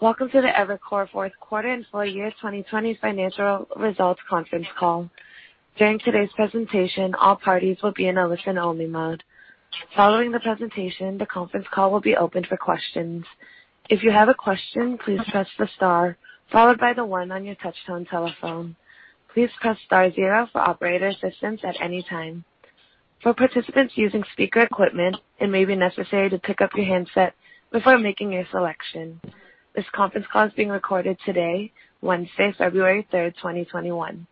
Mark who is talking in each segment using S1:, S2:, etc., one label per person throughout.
S1: Welcome to the Evercore fourth quarter and full year 2020 financial results conference call. During today's presentation, all parties are in all listen-only mode. Following the presentation, the conference call will be open for questions, if you have a question, please press the star followed by the one on your touch-tone telephone. Please press star-zero for operator assistance at any time. For participants using speaker equipment it may be necessary to pick up your handset before making a selection. This conference call is being recorded today, February 3rd, 2021.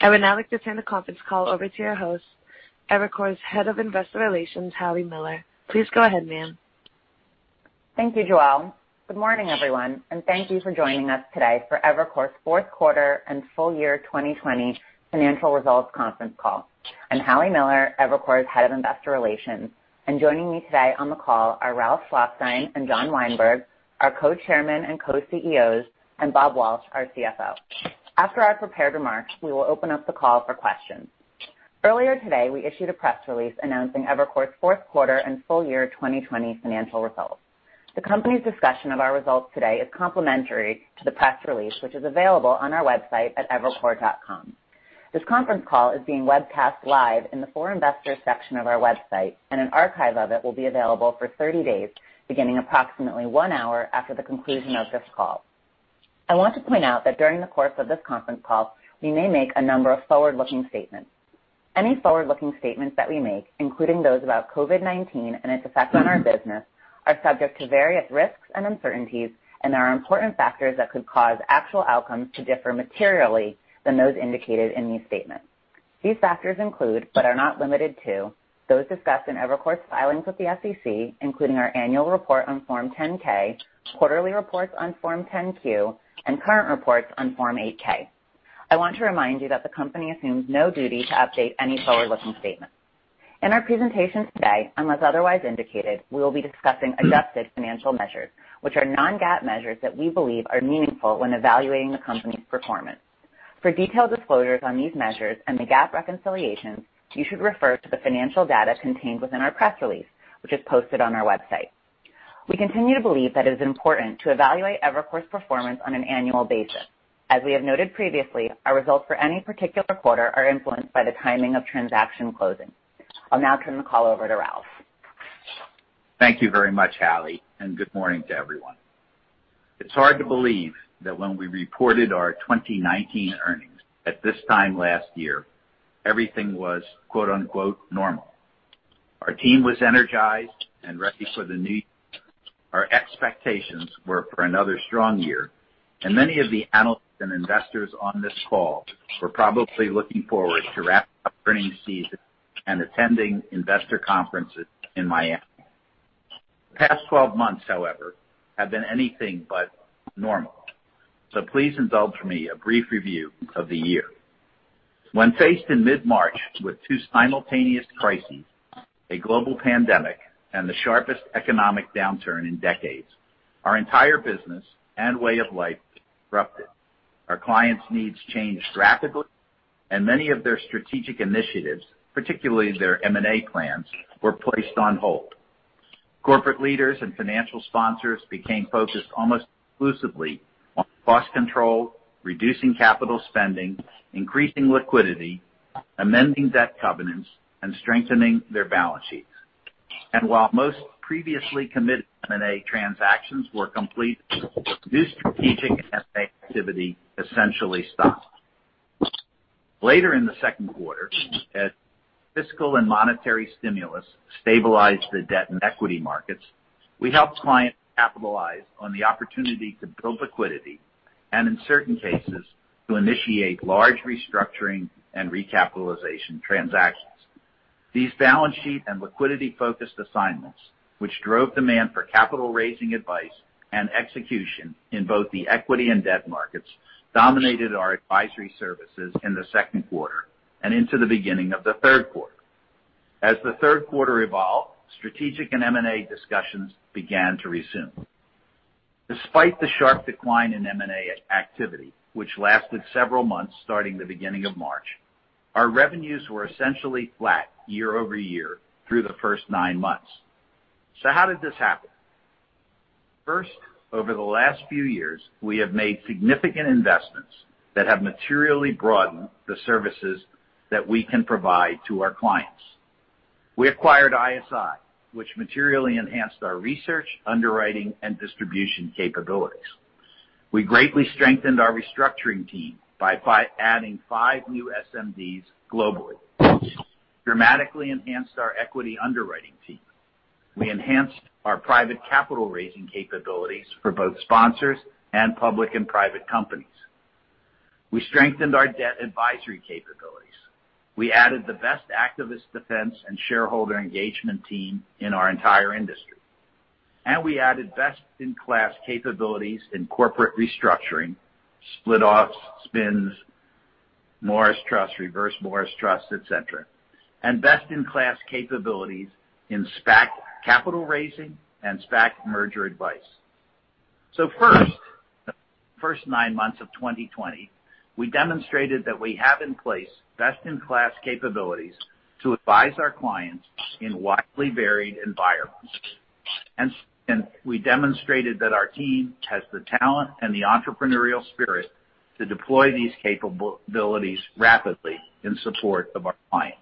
S1: I would now like to turn the conference call over to your host, Evercore's Head of Investor Relations, Hallie Miller. Please go ahead, ma'am.
S2: Thank you, Joelle. Good morning, everyone, and thank you for joining us today for Evercore's fourth quarter and full year 2020 financial results conference call. I'm Hallie Miller, Evercore's Head of Investor Relations. Joining me today on the call are Ralph Schlosstein and John Weinberg, our Co-Chairmen and Co-CEOs, and Bob Walsh, our CFO. After our prepared remarks, we will open up the call for questions. Earlier today, we issued a press release announcing Evercore's fourth quarter and full year 2020 financial results. The company's discussion of our results today is complementary to the press release, which is available on our website at evercore.com. This conference call is being webcast live in the For Investors section of our website, and an archive of it will be available for 30 days, beginning approximately one hour after the conclusion of this call. I want to point out that during the course of this conference call, we may make a number of forward-looking statements. Any forward-looking statements that we make, including those about COVID-19 and its effect on our business, are subject to various risks and uncertainties and there are important factors that could cause actual outcomes to differ materially than those indicated in these statements. These factors include, but are not limited to, those discussed in Evercore's filings with the SEC, including our annual report on Form 10-K, quarterly reports on Form 10-Q, and current reports on Form 8-K. I want to remind you that the company assumes no duty to update any forward-looking statements. In our presentation today, unless otherwise indicated, we will be discussing adjusted financial measures, which are non-GAAP measures that we believe are meaningful when evaluating the company's performance. For detailed disclosures on these measures and the GAAP reconciliations, you should refer to the financial data contained within our press release, which is posted on our website. We continue to believe that it is important to evaluate Evercore's performance on an annual basis. As we have noted previously, our results for any particular quarter are influenced by the timing of transaction closings. I'll now turn the call over to Ralph.
S3: Thank you very much, Hallie, and good morning to everyone. It's hard to believe that when we reported our 2019 earnings at this time last year, everything was "normal." Our team was energized and ready for the new year. Our expectations were for another strong year, and many of the analysts and investors on this call were probably looking forward to wrapping up earnings season and attending investor conferences in Miami. The past 12 months, however, have been anything but normal. Please indulge me a brief review of the year. When faced in mid-March with two simultaneous crises, a global pandemic and the sharpest economic downturn in decades, our entire business and way of life was disrupted. Our clients' needs changed rapidly, and many of their strategic initiatives, particularly their M&A plans, were placed on hold. Corporate leaders and financial sponsors became focused almost exclusively on cost control, reducing capital spending, increasing liquidity, amending debt covenants, and strengthening their balance sheets. While most previously committed M&A transactions were completed, new strategic M&A activity essentially stopped. Later in the second quarter, as fiscal and monetary stimulus stabilized the debt and equity markets, we helped clients capitalize on the opportunity to build liquidity and in certain cases, to initiate large restructuring and recapitalization transactions. These balance sheet and liquidity-focused assignments, which drove demand for capital raising advice and execution in both the equity and debt markets, dominated our advisory services in the second quarter and into the beginning of the third quarter. As the third quarter evolved, strategic and M&A discussions began to resume. Despite the sharp decline in M&A activity, which lasted several months starting the beginning of March, our revenues were essentially flat year-over-year through the first nine months. How did this happen? First, over the last few years, we have made significant investments that have materially broadened the services that we can provide to our clients. We acquired ISI, which materially enhanced our research, underwriting, and distribution capabilities. We greatly strengthened our restructuring team by adding five new SMDs globally. We dramatically enhanced our equity underwriting team. We enhanced our private capital raising capabilities for both sponsors and public and private companies. We strengthened our debt advisory capabilities. We added the best activist defense and shareholder engagement team in our entire industry. We added best-in-class capabilities in corporate restructuring, split-offs, spins, Morris Trust, Reverse Morris Trust, et cetera, and best-in-class capabilities in SPAC capital raising and SPAC merger advice. First nine months of 2020, we demonstrated that we have in place best-in-class capabilities to advise our clients in widely varied environments. We demonstrated that our team has the talent and the entrepreneurial spirit to deploy these capabilities rapidly in support of our clients.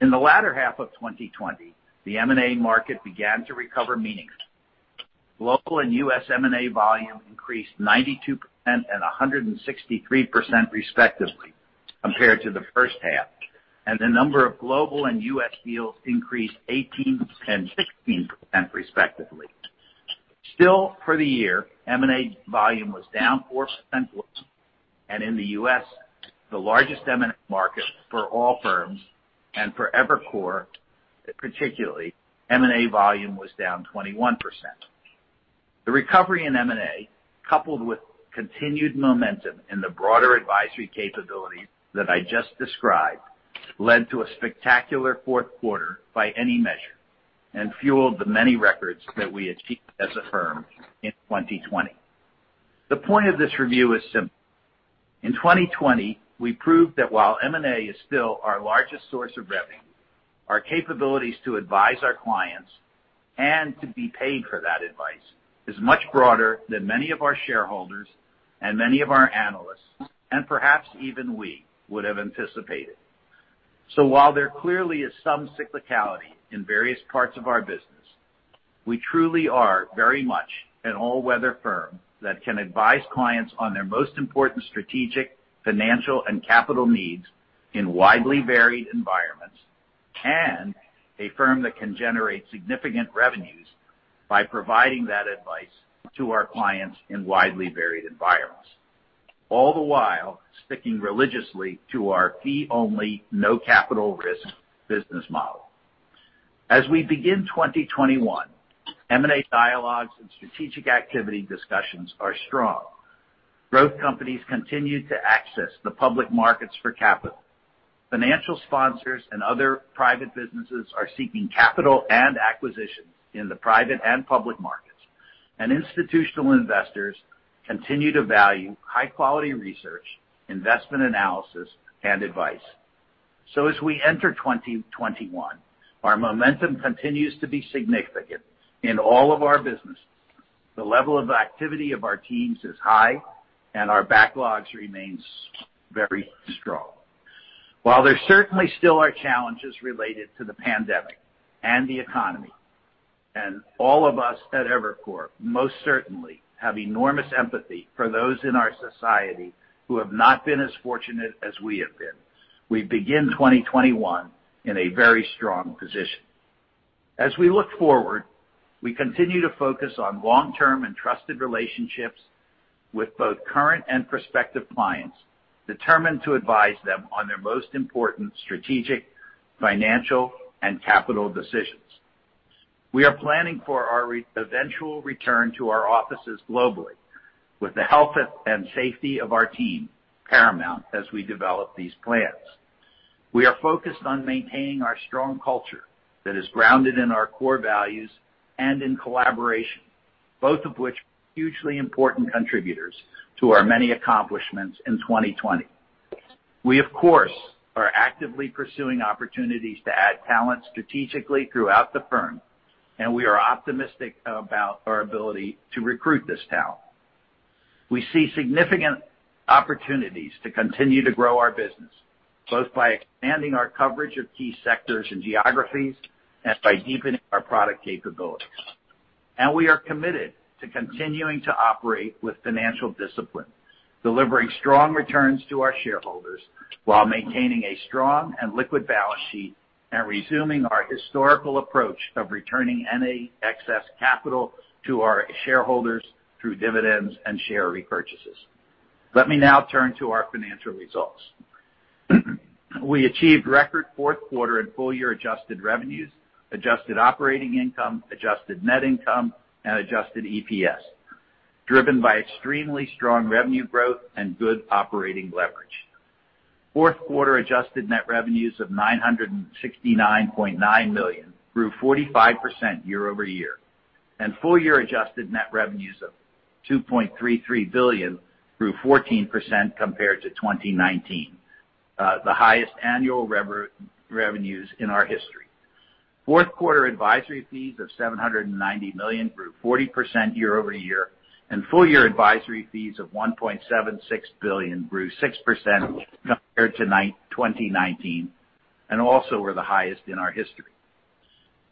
S3: In the latter half of 2020, the M&A market began to recover meaningfully. Global and U.S. M&A volume increased 92% and 163% respectively compared to the first half, and the number of global and U.S. deals increased 18% and 16% respectively. Still, for the year, M&A volume was down 4% globally, and in the U.S., the largest M&A market for all firms and for Evercore, particularly, M&A volume was down 21%. The recovery in M&A, coupled with continued momentum in the broader advisory capabilities that I just described, led to a spectacular fourth quarter by any measure and fueled the many records that we achieved as a firm in 2020. The point of this review is simple. In 2020, we proved that while M&A is still our largest source of revenue, our capabilities to advise our clients and to be paid for that advice is much broader than many of our shareholders and many of our analysts, and perhaps even we, would have anticipated. While there clearly is some cyclicality in various parts of our business, we truly are very much an all-weather firm that can advise clients on their most important strategic, financial, and capital needs in widely varied environments, and a firm that can generate significant revenues by providing that advice to our clients in widely varied environments. All the while, sticking religiously to our fee-only, no capital risk business model. As we begin 2021, M&A dialogues and strategic activity discussions are strong. Growth companies continue to access the public markets for capital. Financial sponsors and other private businesses are seeking capital and acquisitions in the private and public markets. Institutional investors continue to value high-quality research, investment analysis, and advice. As we enter 2021, our momentum continues to be significant in all of our businesses. The level of activity of our teams is high, and our backlogs remains very strong. While there certainly still are challenges related to the pandemic and the economy, and all of us at Evercore most certainly have enormous empathy for those in our society who have not been as fortunate as we have been, we begin 2021 in a very strong position. As we look forward, we continue to focus on long-term and trusted relationships with both current and prospective clients, determined to advise them on their most important strategic, financial, and capital decisions. We are planning for our eventual return to our offices globally with the health and safety of our team paramount as we develop these plans. We are focused on maintaining our strong culture that is grounded in our core values and in collaboration, both of which are hugely important contributors to our many accomplishments in 2020. We, of course, are actively pursuing opportunities to add talent strategically throughout the firm, and we are optimistic about our ability to recruit this talent. We see significant opportunities to continue to grow our business, both by expanding our coverage of key sectors and geographies and by deepening our product capabilities. We are committed to continuing to operate with financial discipline, delivering strong returns to our shareholders while maintaining a strong and liquid balance sheet and resuming our historical approach of returning any excess capital to our shareholders through dividends and share repurchases. Let me now turn to our financial results. We achieved record fourth quarter and full-year adjusted revenues, adjusted operating income, adjusted net income, and adjusted EPS, driven by extremely strong revenue growth and good operating leverage. Fourth quarter adjusted net revenues of $969.9 million grew 45% year-over-year, and full-year adjusted net revenues of $2.33 billion grew 14% compared to 2019, the highest annual revenues in our history. Fourth quarter advisory fees of $790 million grew 40% year-over-year, and full-year advisory fees of $1.76 billion grew 6% compared to 2019, and also were the highest in our history.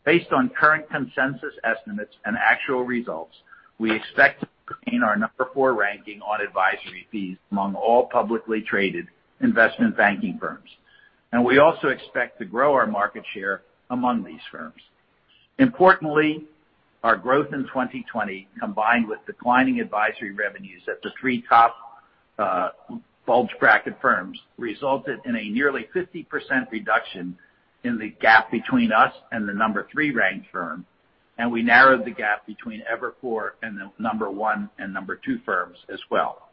S3: Based on current consensus estimates and actual results, we expect to maintain our number four ranking on advisory fees among all publicly traded investment banking firms. We also expect to grow our market share among these firms. Importantly, our growth in 2020, combined with declining advisory revenues at the three top bulge bracket firms, resulted in a nearly 50% reduction in the gap between us and the number three ranked firm, and we narrowed the gap between Evercore and the number one and number two firms as well.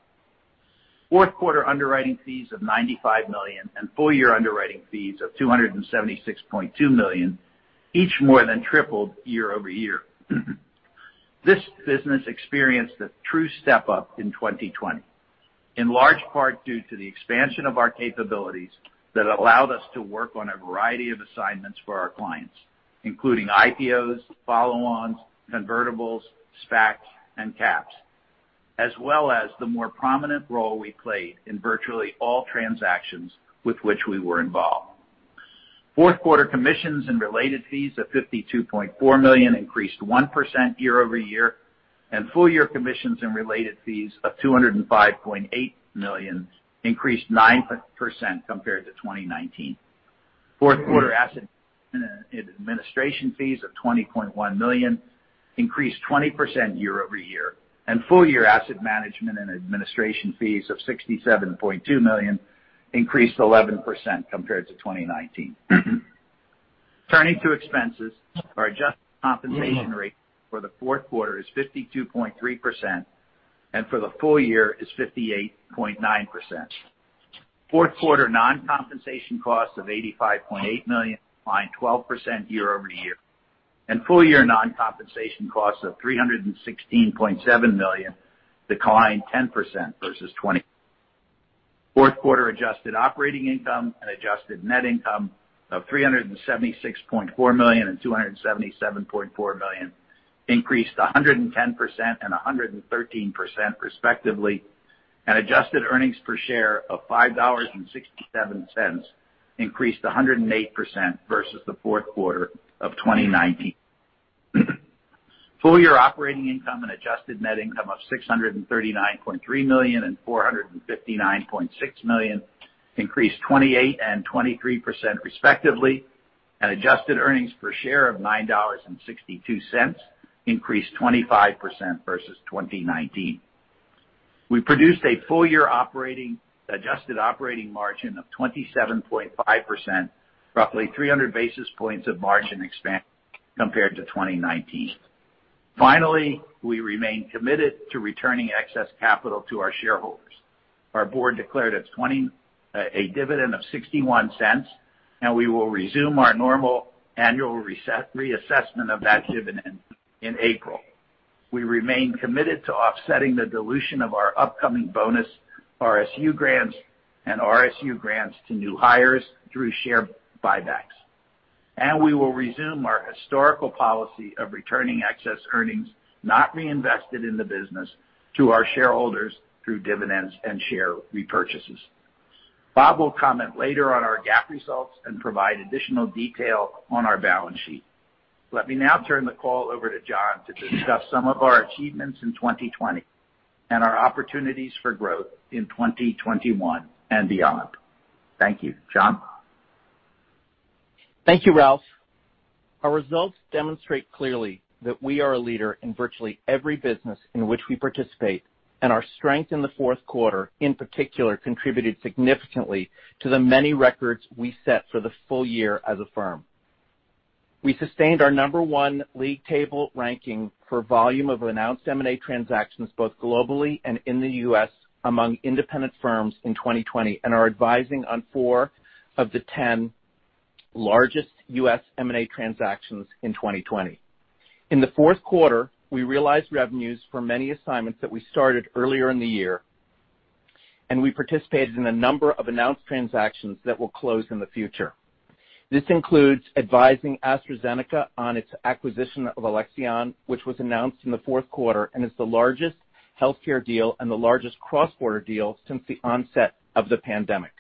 S3: Fourth quarter underwriting fees of $95 million and full-year underwriting fees of $276.2 million, each more than tripled year-over-year. This business experienced a true step-up in 2020, in large part due to the expansion of our capabilities that allowed us to work on a variety of assignments for our clients, including IPOs, follow-ons, convertibles, SPACs, and CAPS, as well as the more prominent role we played in virtually all transactions with which we were involved. Fourth quarter commissions and related fees of $52.4 million increased 1% year-over-year, and full-year commissions and related fees of $205.8 million increased 9% compared to 2019. Fourth quarter asset administration fees of $20.1 million increased 20% year-over-year, and full-year asset management and administration fees of $67.2 million increased 11% compared to 2019. Turning to expenses, our adjusted compensation rate for the fourth quarter is 52.3%, and for the full year is 58.9%. Fourth quarter non-compensation costs of $85.8 million, declined 12% year-over-year, and full-year non-compensation costs of $316.7 million declined 10% versus 2020. Fourth quarter adjusted operating income and adjusted net income of $376.4 million and $277.4 million increased 110% and 113%, respectively, and adjusted earnings per share of $5.67 increased 108% versus the fourth quarter of 2019. Full-year operating income and adjusted net income of $639.3 million and $459.6 million increased 28% and 23%, respectively, and adjusted earnings per share of $9.62 increased 25% versus 2019. We produced a full-year adjusted operating margin of 27.5%, roughly 300 basis points of margin expansion compared to 2019. Finally, we remain committed to returning excess capital to our shareholders. Our board declared a dividend of $0.61, and we will resume our normal annual reassessment of that dividend in April. We remain committed to offsetting the dilution of our upcoming bonus RSU grants and RSU grants to new hires through share buybacks. We will resume our historical policy of returning excess earnings not reinvested in the business to our shareholders through dividends and share repurchases. Bob will comment later on our GAAP results and provide additional detail on our balance sheet. Let me now turn the call over to John to discuss some of our achievements in 2020 and our opportunities for growth in 2021 and beyond. Thank you. John?
S4: Thank you, Ralph. Our results demonstrate clearly that we are a leader in virtually every business in which we participate, and our strength in the fourth quarter, in particular, contributed significantly to the many records we set for the full year as a firm. We sustained our number one league table ranking for volume of announced M&A transactions, both globally and in the U.S., among independent firms in 2020, and are advising on four of the 10 largest U.S. M&A transactions in 2020. In the fourth quarter, we realized revenues for many assignments that we started earlier in the year, and we participated in a number of announced transactions that will close in the future. This includes advising AstraZeneca on its acquisition of Alexion, which was announced in the fourth quarter and is the largest healthcare deal and the largest cross-border deal since the onset of the pandemic.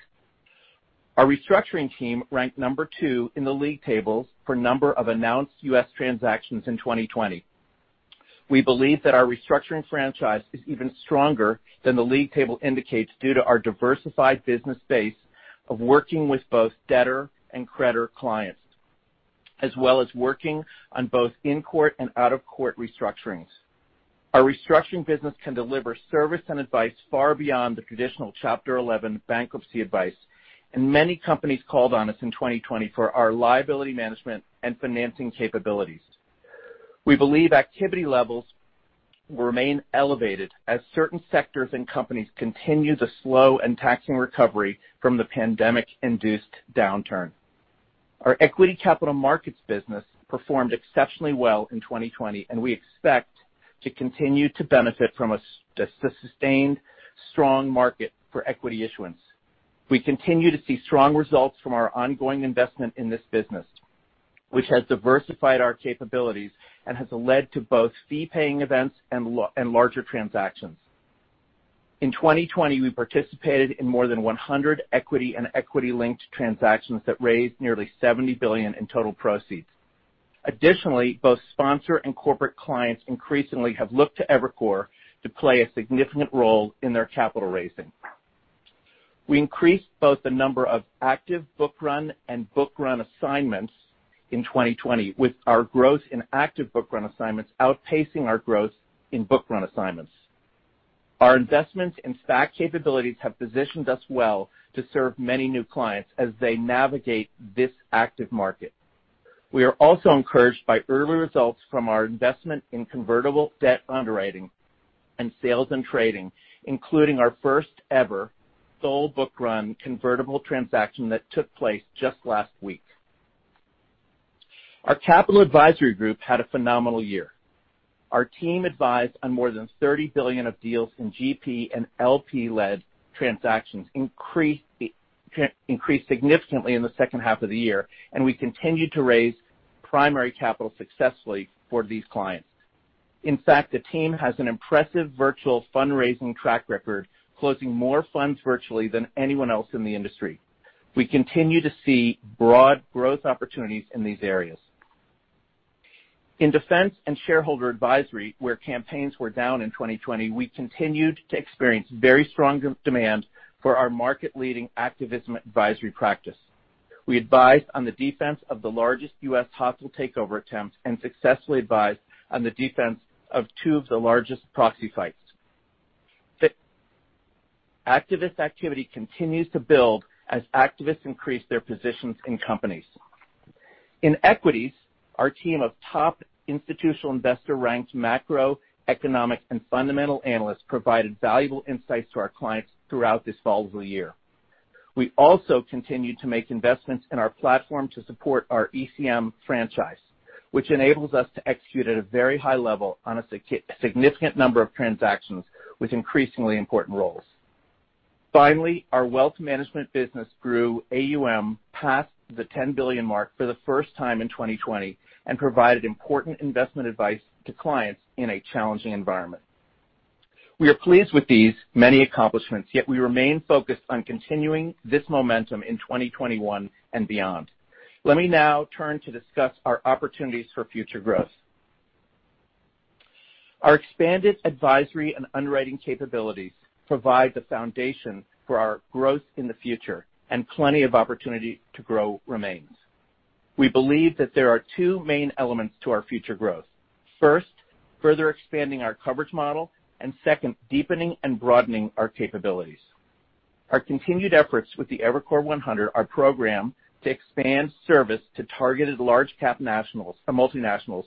S4: Our restructuring team ranked number two in the league tables for number of announced U.S. transactions in 2020. We believe that our restructuring franchise is even stronger than the league table indicates due to our diversified business base of working with both debtor and creditor clients, as well as working on both in-court and out-of-court restructurings. Our restructuring business can deliver service and advice far beyond the traditional Chapter 11 bankruptcy advice, and many companies called on us in 2020 for our liability management and financing capabilities. We believe activity levels will remain elevated as certain sectors and companies continue the slow and taxing recovery from the pandemic-induced downturn. Our equity capital markets business performed exceptionally well in 2020, and we expect to continue to benefit from a sustained strong market for equity issuance. We continue to see strong results from our ongoing investment in this business, which has diversified our capabilities and has led to both fee-paying events and larger transactions. In 2020, we participated in more than 100 equity and equity-linked transactions that raised nearly $70 billion in total proceeds. Additionally, both sponsor and corporate clients increasingly have looked to Evercore to play a significant role in their capital raising. We increased both the number of active book-run and book-run assignments in 2020, with our growth in active book-run assignments outpacing our growth in book-run assignments. Our investments in SPAC capabilities have positioned us well to serve many new clients as they navigate this active market. We are also encouraged by early results from our investment in convertible debt underwriting and sales and trading, including our first-ever sole-book-run convertible transaction that took place just last week. Our capital advisory group had a phenomenal year. Our team advised on more than $30 billion of deals in GP and LP-led transactions, increased significantly in the second half of the year, and we continued to raise primary capital successfully for these clients. In fact, the team has an impressive virtual fundraising track record, closing more funds virtually than anyone else in the industry. We continue to see broad growth opportunities in these areas. In defense and shareholder advisory, where campaigns were down in 2020, we continued to experience very strong demand for our market-leading activism advisory practice. We advised on the defense of the largest U.S. hostile takeover attempts and successfully advised on the defense of two of the largest proxy fights. Activist activity continues to build as activists increase their positions in companies. In equities, our team of top institutional investor-ranked macro, economic, and fundamental analysts provided valuable insights to our clients throughout this volatile year. We also continued to make investments in our platform to support our ECM franchise, which enables us to execute at a very high level on a significant number of transactions with increasingly important roles. Finally, our wealth management business grew AUM past the 10 billion mark for the first time in 2020 and provided important investment advice to clients in a challenging environment. We are pleased with these many accomplishments, yet we remain focused on continuing this momentum in 2021 and beyond. Let me now turn to discuss our opportunities for future growth. Our expanded advisory and underwriting capabilities provide the foundation for our growth in the future, and plenty of opportunity to grow remains. We believe that there are two main elements to our future growth. First, further expanding our coverage model, and second, deepening and broadening our capabilities. Our continued efforts with the Evercore 100, our program to expand service to targeted large-cap multinationals,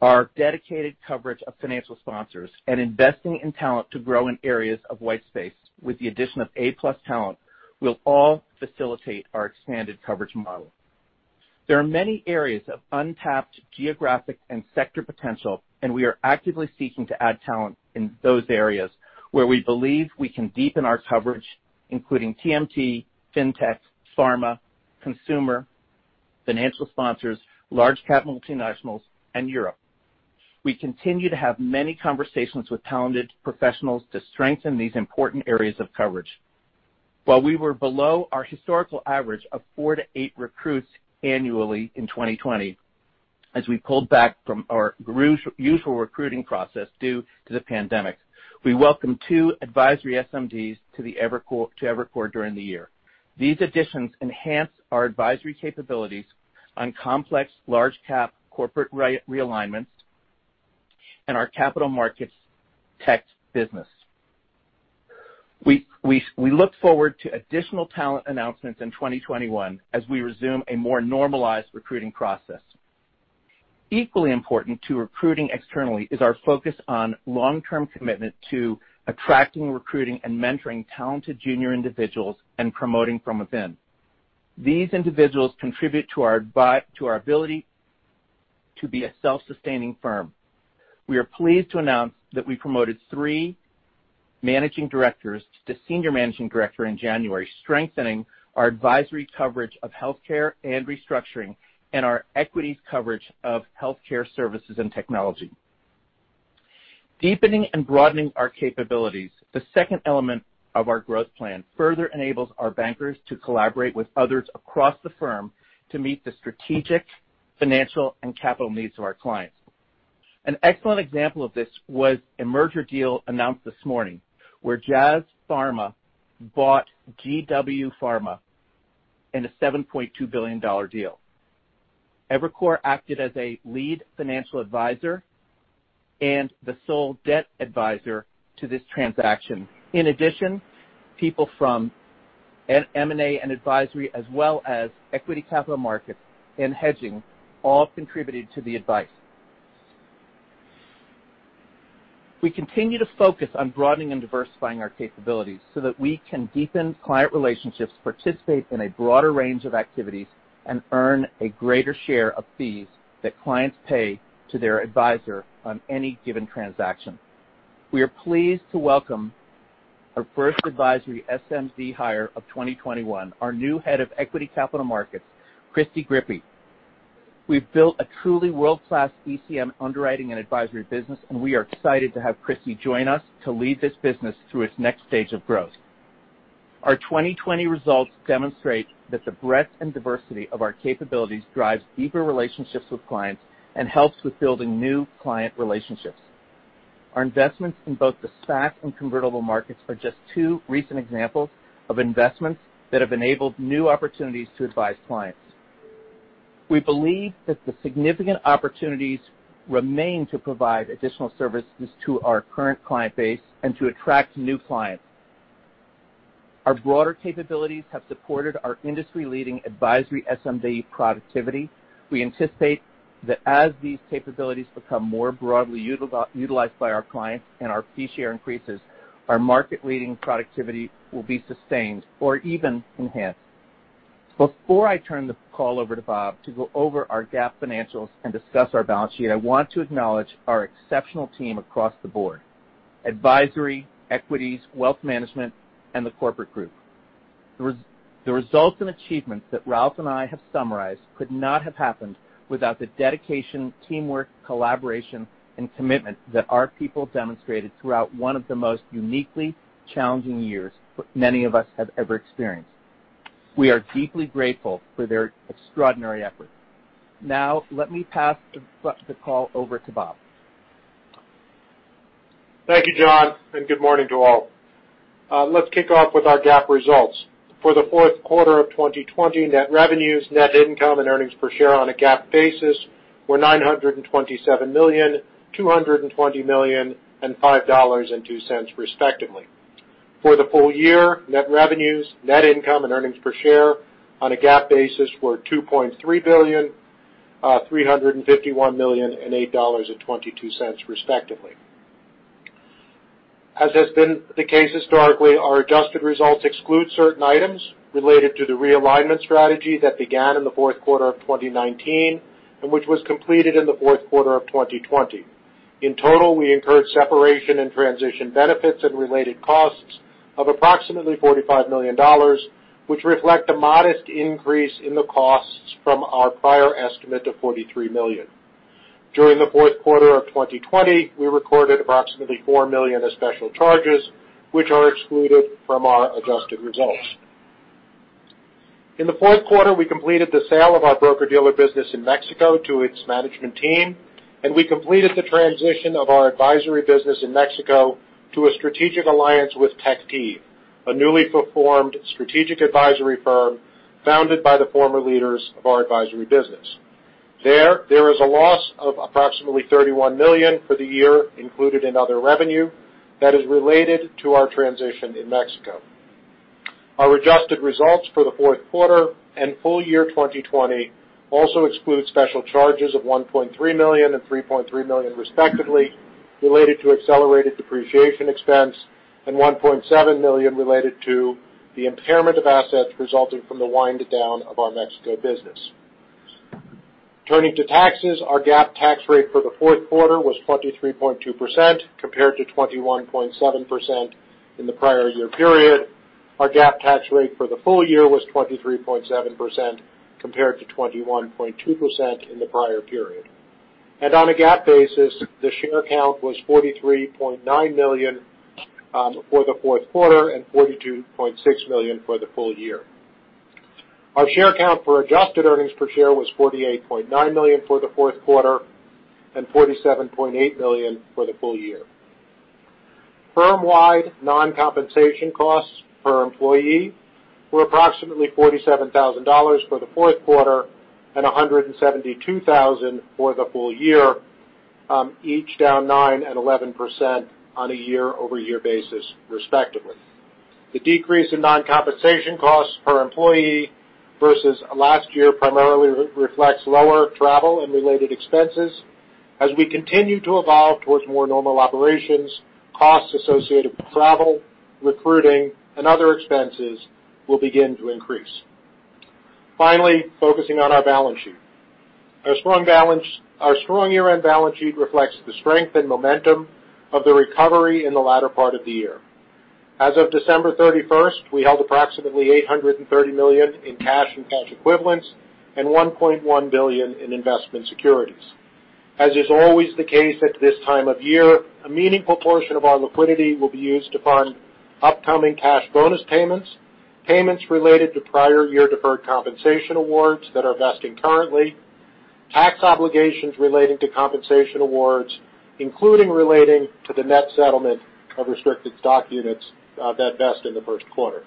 S4: our dedicated coverage of financial sponsors, and investing in talent to grow in areas of white space with the addition of A-plus talent, will all facilitate our expanded coverage model. There are many areas of untapped geographic and sector potential, and we are actively seeking to add talent in those areas where we believe we can deepen our coverage, including TMT, FinTech, pharma, consumer, financial sponsors, large cap multinationals, and Europe. We continue to have many conversations with talented professionals to strengthen these important areas of coverage. While we were below our historical average of four to eight recruits annually in 2020, as we pulled back from our usual recruiting process due to the pandemic, we welcomed two advisory SMDs to Evercore during the year. These additions enhance our advisory capabilities on complex large-cap corporate realignments and our capital markets tech business. We look forward to additional talent announcements in 2021 as we resume a more normalized recruiting process. Equally important to recruiting externally is our focus on long-term commitment to attracting, recruiting, and mentoring talented junior individuals and promoting from within. These individuals contribute to our ability to be a self-sustaining firm. We are pleased to announce that we promoted three Managing Directors to Senior Managing Director in January, strengthening our advisory coverage of healthcare and restructuring and our equities coverage of healthcare services and technology. Deepening and broadening our capabilities, the second element of our growth plan, further enables our bankers to collaborate with others across the firm to meet the strategic, financial, and capital needs of our clients. An excellent example of this was a merger deal announced this morning where Jazz Pharma bought GW Pharma in a $7.2 billion deal. Evercore acted as a lead financial advisor and the sole debt advisor to this transaction. In addition, people from M&A and advisory as well as equity capital markets and hedging all contributed to the advice. We continue to focus on broadening and diversifying our capabilities so that we can deepen client relationships, participate in a broader range of activities, and earn a greater share of fees that clients pay to their advisor on any given transaction. We are pleased to welcome our first advisory SMD hire of 2021, our new Head of Equity Capital Markets, Kristi Grippi. We've built a truly world-class ECM underwriting and advisory business, and we are excited to have Kristi join us to lead this business through its next stage of growth. Our 2020 results demonstrate that the breadth and diversity of our capabilities drives deeper relationships with clients and helps with building new client relationships. Our investments in both the SPAC and convertible markets are just two recent examples of investments that have enabled new opportunities to advise clients. We believe that the significant opportunities remain to provide additional services to our current client base and to attract new clients Our broader capabilities have supported our industry-leading advisory SMD productivity. We anticipate that as these capabilities become more broadly utilized by our clients and our fee share increases, our market-leading productivity will be sustained or even enhanced. Before I turn the call over to Bob to go over our GAAP financials and discuss our balance sheet, I want to acknowledge our exceptional team across the board. Advisory, equities, wealth management, and the corporate group. The results and achievements that Ralph and I have summarized could not have happened without the dedication, teamwork, collaboration, and commitment that our people demonstrated throughout one of the most uniquely challenging years many of us have ever experienced. We are deeply grateful for their extraordinary efforts. Now let me pass the call over to Bob.
S5: Thank you, John, and good morning to all. Let's kick off with our GAAP results. For the fourth quarter of 2020, net revenues, net income, and earnings per share on a GAAP basis were $927 million, $220 million, and $5.02 respectively. For the full year, net revenues, net income, and earnings per share on a GAAP basis were $2.3 billion, $351 million, and $8.22 respectively. As has been the case historically, our adjusted results exclude certain items related to the realignment strategy that began in the fourth quarter of 2019 and which was completed in the fourth quarter of 2020. In total, we incurred separation and transition benefits and related costs of approximately $45 million, which reflect a modest increase in the costs from our prior estimate of $43 million. During the fourth quarter of 2020, we recorded approximately $4 million as special charges, which are excluded from our adjusted results. In the fourth quarter, we completed the sale of our broker-dealer business in Mexico to its management team, and we completed the transition of our advisory business in Mexico to a strategic alliance with Tactiv, a newly formed strategic advisory firm founded by the former leaders of our advisory business. There is a loss of approximately $31 million for the year included in other revenue that is related to our transition in Mexico. Our adjusted results for the fourth quarter and full year 2020 also exclude special charges of $1.3 million and $3.3 million respectively related to accelerated depreciation expense and $1.7 million related to the impairment of assets resulting from the wind-down of our Mexico business. Turning to taxes, our GAAP tax rate for the fourth quarter was 23.2% compared to 21.7% in the prior year period. Our GAAP tax rate for the full year was 23.7% compared to 21.2% in the prior period. On a GAAP basis, the share count was 43.9 million for the fourth quarter and 42.6 million for the full year. Our share count for adjusted earnings per share was 48.9 million for the fourth quarter and 47.8 million for the full year. Firm-wide non-compensation costs per employee were approximately $47,000 for the fourth quarter and $172,000 for the full year, each down 9% and 11% on a year-over-year basis respectively. The decrease in non-compensation costs per employee versus last year primarily reflects lower travel and related expenses. As we continue to evolve towards more normal operations, costs associated with travel, recruiting, and other expenses will begin to increase. Focusing on our balance sheet. Our strong year-end balance sheet reflects the strength and momentum of the recovery in the latter part of the year. As of December 31st, we held approximately $830 million in cash and cash equivalents and $1.1 billion in investment securities. As is always the case at this time of year, a meaningful portion of our liquidity will be used to fund upcoming cash bonus payments related to prior year deferred compensation awards that are vesting currently, tax obligations relating to compensation awards, including relating to the net settlement of restricted stock units that vest in the first quarter.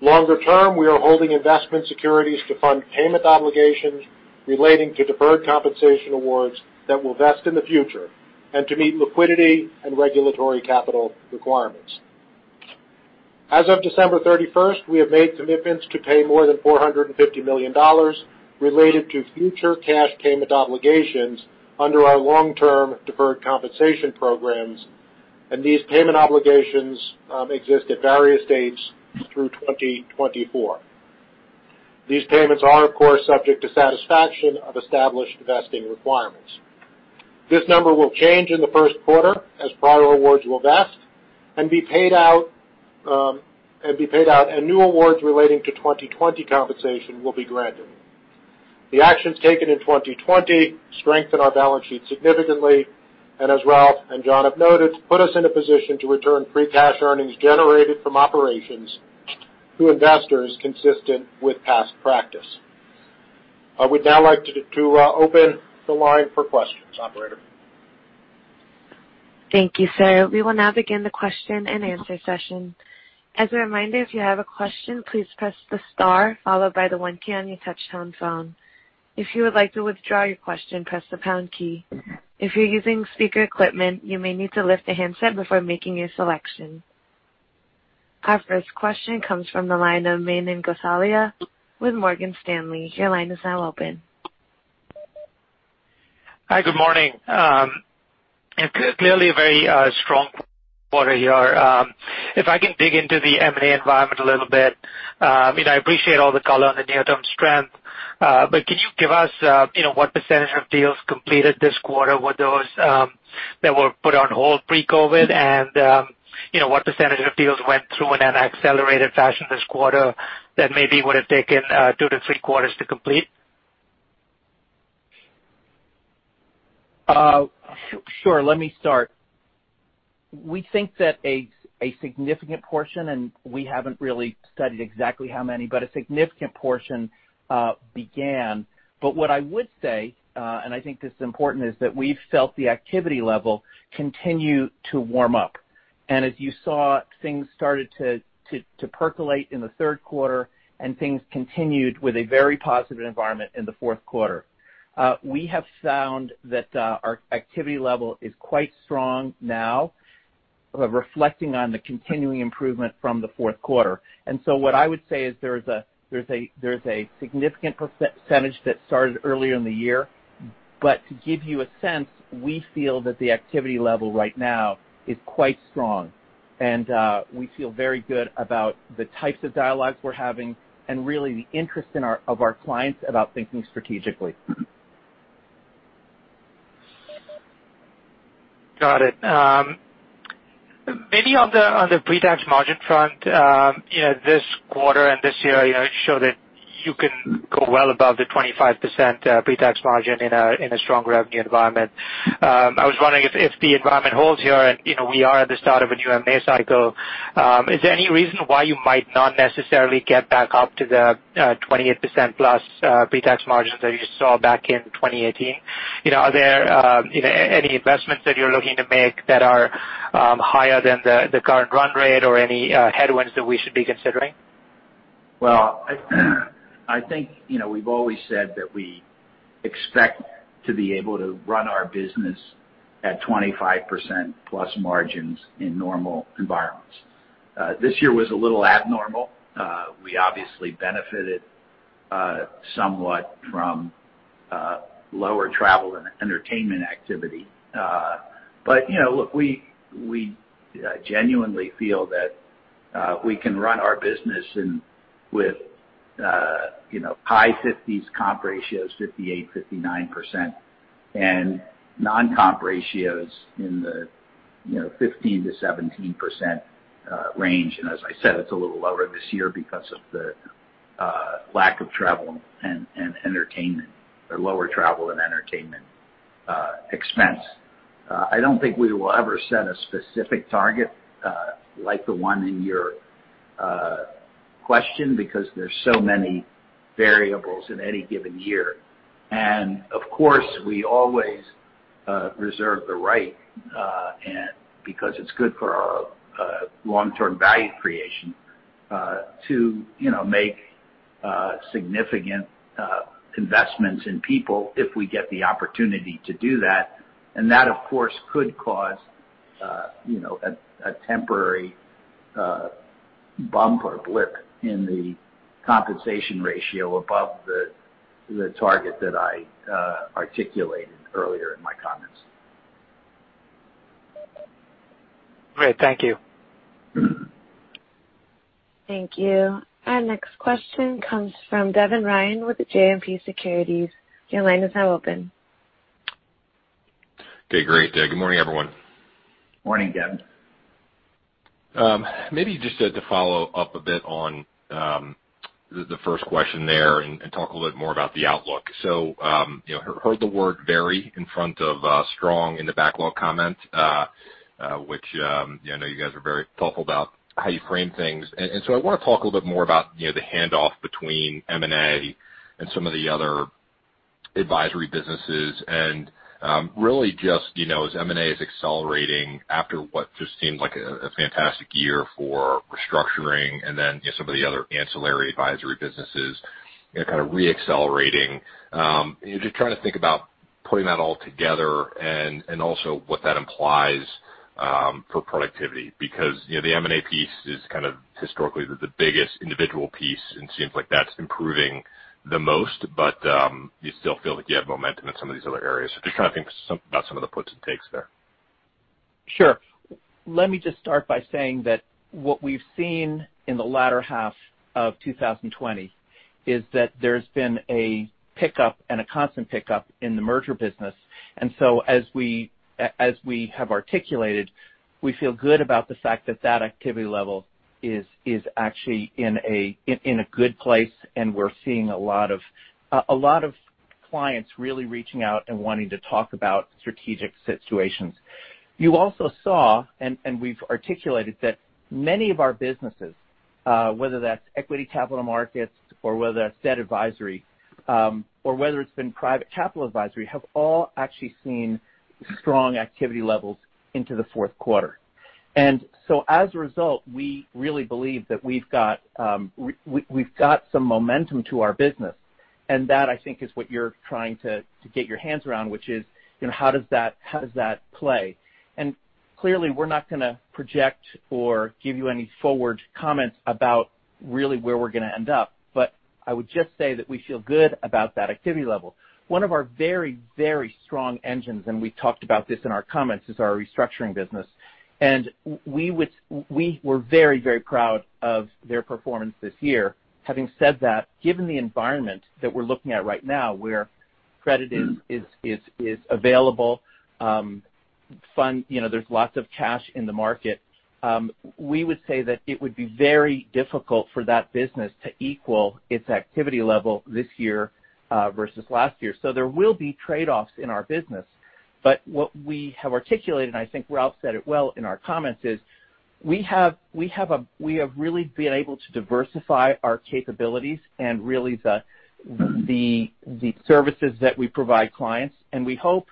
S5: Longer term, we are holding investment securities to fund payment obligations relating to deferred compensation awards that will vest in the future and to meet liquidity and regulatory capital requirements. As of December 31st, we have made commitments to pay more than $450 million related to future cash payment obligations under our long-term deferred compensation programs. These payment obligations exist at various dates through 2024. These payments are, of course, subject to satisfaction of established vesting requirements. This number will change in the first quarter as prior awards will vest and be paid out. New awards relating to 2020 compensation will be granted. The actions taken in 2020 strengthen our balance sheet significantly, and as Ralph and John have noted, put us in a position to return free cash earnings generated from operations to investors consistent with past practice. I would now like to open the line for questions. Operator?
S1: Thank you, sir. We will now begin the question-and-answer session. As a reminder, if you have a question, please press the star followed by the one on your touch-tone phone. If you would like to withdraw your question, press the pound key. If you are using speaker equipment, you may need to lift your handset before making a selection. Our first question comes from the line of Manan Gosalia with Morgan Stanley.
S6: Hi, good morning. Clearly a very strong quarter here. If I can dig into the M&A environment a little bit. I appreciate all the color on the near-term strength, but can you give us what percentage of deals completed this quarter were those that were put on hold pre-COVID? What percentage of deals went through in an accelerated fashion this quarter that maybe would've taken two to three quarters to complete?
S4: Sure. Let me start. We think that a significant portion, and we haven't really studied exactly how many, but a significant portion began. What I would say, and I think this is important, is that we've felt the activity level continue to warm up. As you saw, things started to percolate in the third quarter, and things continued with a very positive environment in the fourth quarter. We have found that our activity level is quite strong now, reflecting on the continuing improvement from the fourth quarter. What I would say is there's a significant percentage that started earlier in the year. To give you a sense, we feel that the activity level right now is quite strong. We feel very good about the types of dialogues we're having and really the interest of our clients about thinking strategically.
S6: Got it. Maybe on the pre-tax margin front this quarter and this year, you showed that you can go well above the 25% pre-tax margin in a strong revenue environment. I was wondering if the environment holds here and we are at the start of a new M&A cycle. Is there any reason why you might not necessarily get back up to the 28%+ pre-tax margins that you saw back in 2018? Are there any investments that you're looking to make that are higher than the current run rate or any headwinds that we should be considering?
S3: Well, I think we've always said that we expect to be able to run our business at 25%+ margins in normal environments. This year was a little abnormal. We obviously benefited somewhat from lower travel and entertainment activity. Look, we genuinely feel that we can run our business with high 50s comp ratios, 58%, 59%, and non-comp ratios in the 15%-17% range. As I said, it's a little lower this year because of the lack of travel and entertainment, or lower travel and entertainment expense. I don't think we will ever set a specific target like the one in your question because there's so many variables in any given year. Of course, we always reserve the right because it's good for our long-term value creation to make significant investments in people if we get the opportunity to do that, and that, of course, could cause a temporary bump or blip in the compensation ratio above the target that I articulated earlier in my comments.
S6: Great. Thank you.
S1: Thank you. Our next question comes from Devin Ryan with JMP Securities. Your line is now open.
S7: Okay, great. Good morning, everyone.
S3: Morning, Devin.
S7: Maybe just to follow up a bit on the first question there and talk a little bit more about the outlook. Heard the word very in front of strong in the backlog comment, which I know you guys are very thoughtful about how you frame things. I want to talk a little bit more about the handoff between M&A and some of the other advisory businesses and really just as M&A is accelerating after what just seemed like a fantastic year for restructuring and then some of the other ancillary advisory businesses kind of re-accelerating. Just trying to think about putting that all together and also what that implies for productivity. The M&A piece is kind of historically the biggest individual piece and seems like that's improving the most, but you still feel like you have momentum in some of these other areas. Just trying to think about some of the puts and takes there.
S4: Sure. Let me just start by saying that what we've seen in the latter half of 2020 is that there's been a pickup and a constant pickup in the merger business. As we have articulated, we feel good about the fact that that activity level is actually in a good place, and we're seeing a lot of clients really reaching out and wanting to talk about strategic situations. You also saw, and we've articulated that many of our businesses, whether that's equity capital markets or whether that's debt advisory, or whether it's been private capital advisory, have all actually seen strong activity levels into the fourth quarter. As a result, we really believe that we've got some momentum to our business, and that, I think, is what you're trying to get your hands around, which is how does that play? Clearly, we're not going to project or give you any forward comments about really where we're going to end up. I would just say that we feel good about that activity level. One of our very, very strong engines, and we talked about this in our comments, is our restructuring business. We were very, very proud of their performance this year. Having said that, given the environment that we're looking at right now, where credit is available, there's lots of cash in the market. We would say that it would be very difficult for that business to equal its activity level this year versus last year. There will be trade-offs in our business. What we have articulated, and I think Ralph said it well in our comments, is we have really been able to diversify our capabilities and really the services that we provide clients. We hope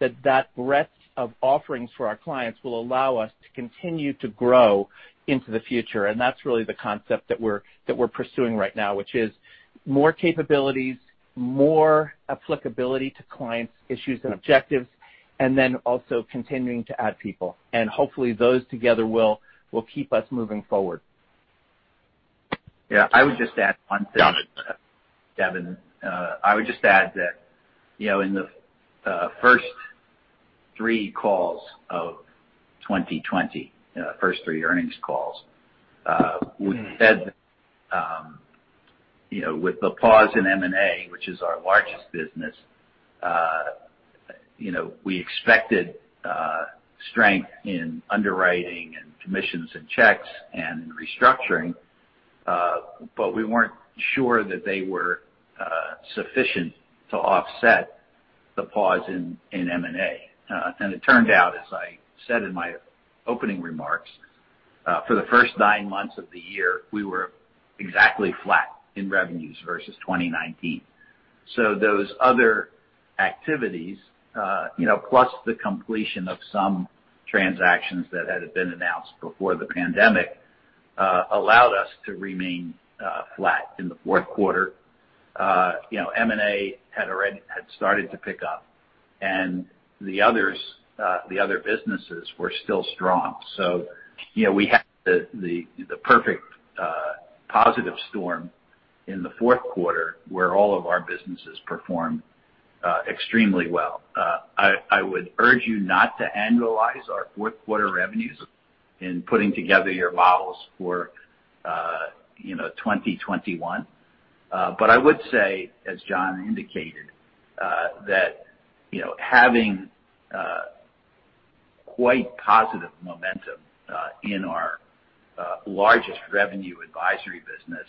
S4: that breadth of offerings for our clients will allow us to continue to grow into the future. That's really the concept that we're pursuing right now, which is more capabilities, more applicability to clients' issues and objectives, and then also continuing to add people. Hopefully, those together will keep us moving forward.
S3: I would just add one thing, Devin. I would just add that in the first three calls of 2020, first three earnings calls, we said with the pause in M&A, which is our largest business, we expected strength in underwriting and commissions and equities and in restructuring. We weren't sure that they were sufficient to offset the pause in M&A. It turned out, as I said in my opening remarks, for the first nine months of the year, we were exactly flat in revenues versus 2019. Those other activities, plus the completion of some transactions that had been announced before the pandemic, allowed us to remain flat in the fourth quarter. M&A had started to pick up, and the other businesses were still strong. We had the perfect positive storm in the fourth quarter, where all of our businesses performed extremely well. I would urge you not to annualize our fourth quarter revenues in putting together your models for 2021. I would say, as John indicated, that having quite positive momentum in our largest revenue advisory business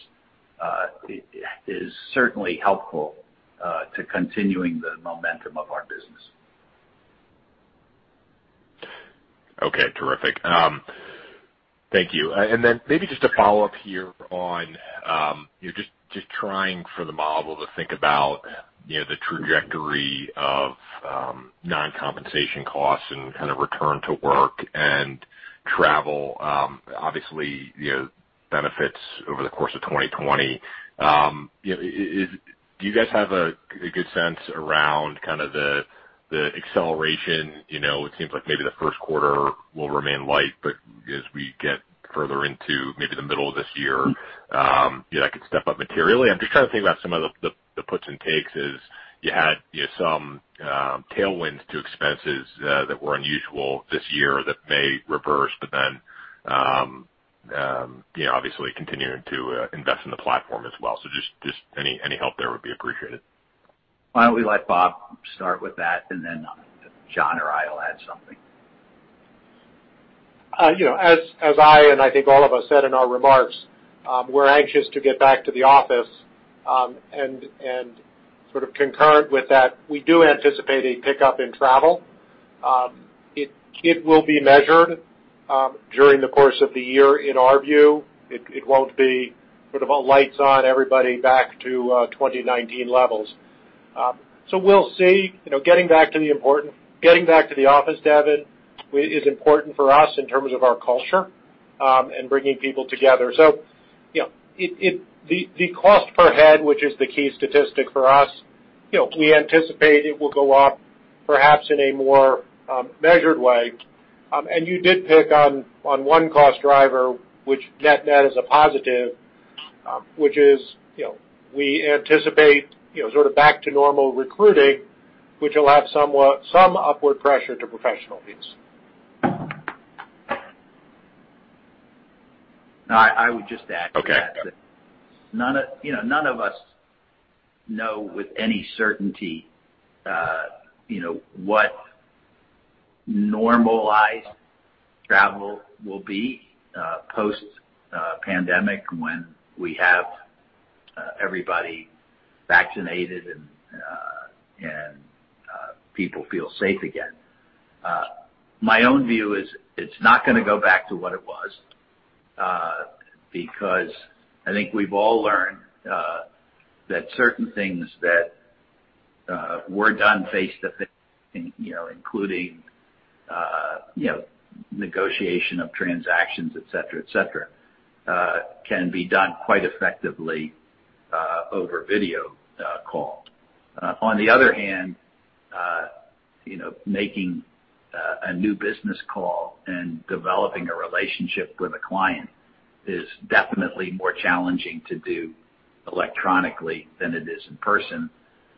S3: is certainly helpful to continuing the momentum of our business.
S7: Okay. Terrific. Thank you. Maybe just a follow-up here on just trying for the model to think about the trajectory of non-compensation costs and kind of return to work and travel obviously benefits over the course of 2020. Do you guys have a good sense around the acceleration? It seems like maybe the first quarter will remain light, as we get further into maybe the middle of this year, that could step up materially. I'm just trying to think about some of the puts and takes is you had some tailwinds to expenses that were unusual this year that may reverse, obviously continuing to invest in the platform as well. Just any help there would be appreciated.
S3: Why don't we let Bob start with that, then John or I will add something.
S5: As I, and I think all of us said in our remarks, we're anxious to get back to the office, and sort of concurrent with that, we do anticipate a pickup in travel. It will be measured during the course of the year. In our view, it won't be sort of a lights on everybody back to 2019 levels. We'll see. Getting back to the office, Devin, is important for us in terms of our culture and bringing people together. The cost per head, which is the key statistic for us, we anticipate it will go up perhaps in a more measured way. You did pick on one cost driver, which net is a positive, which is we anticipate sort of back-to-normal recruiting, which will have some upward pressure to professional fees.
S3: No, I would just add to that.
S7: Okay.
S3: None of us know with any certainty what normalized travel will be post-pandemic when we have everybody vaccinated, and people feel safe again. My own view is it's not going to go back to what it was. I think we've all learned that certain things that were done face-to-face, including negotiation of transactions, et cetera, can be done quite effectively over video call. On the other hand, making a new business call and developing a relationship with a client is definitely more challenging to do electronically than it is in person.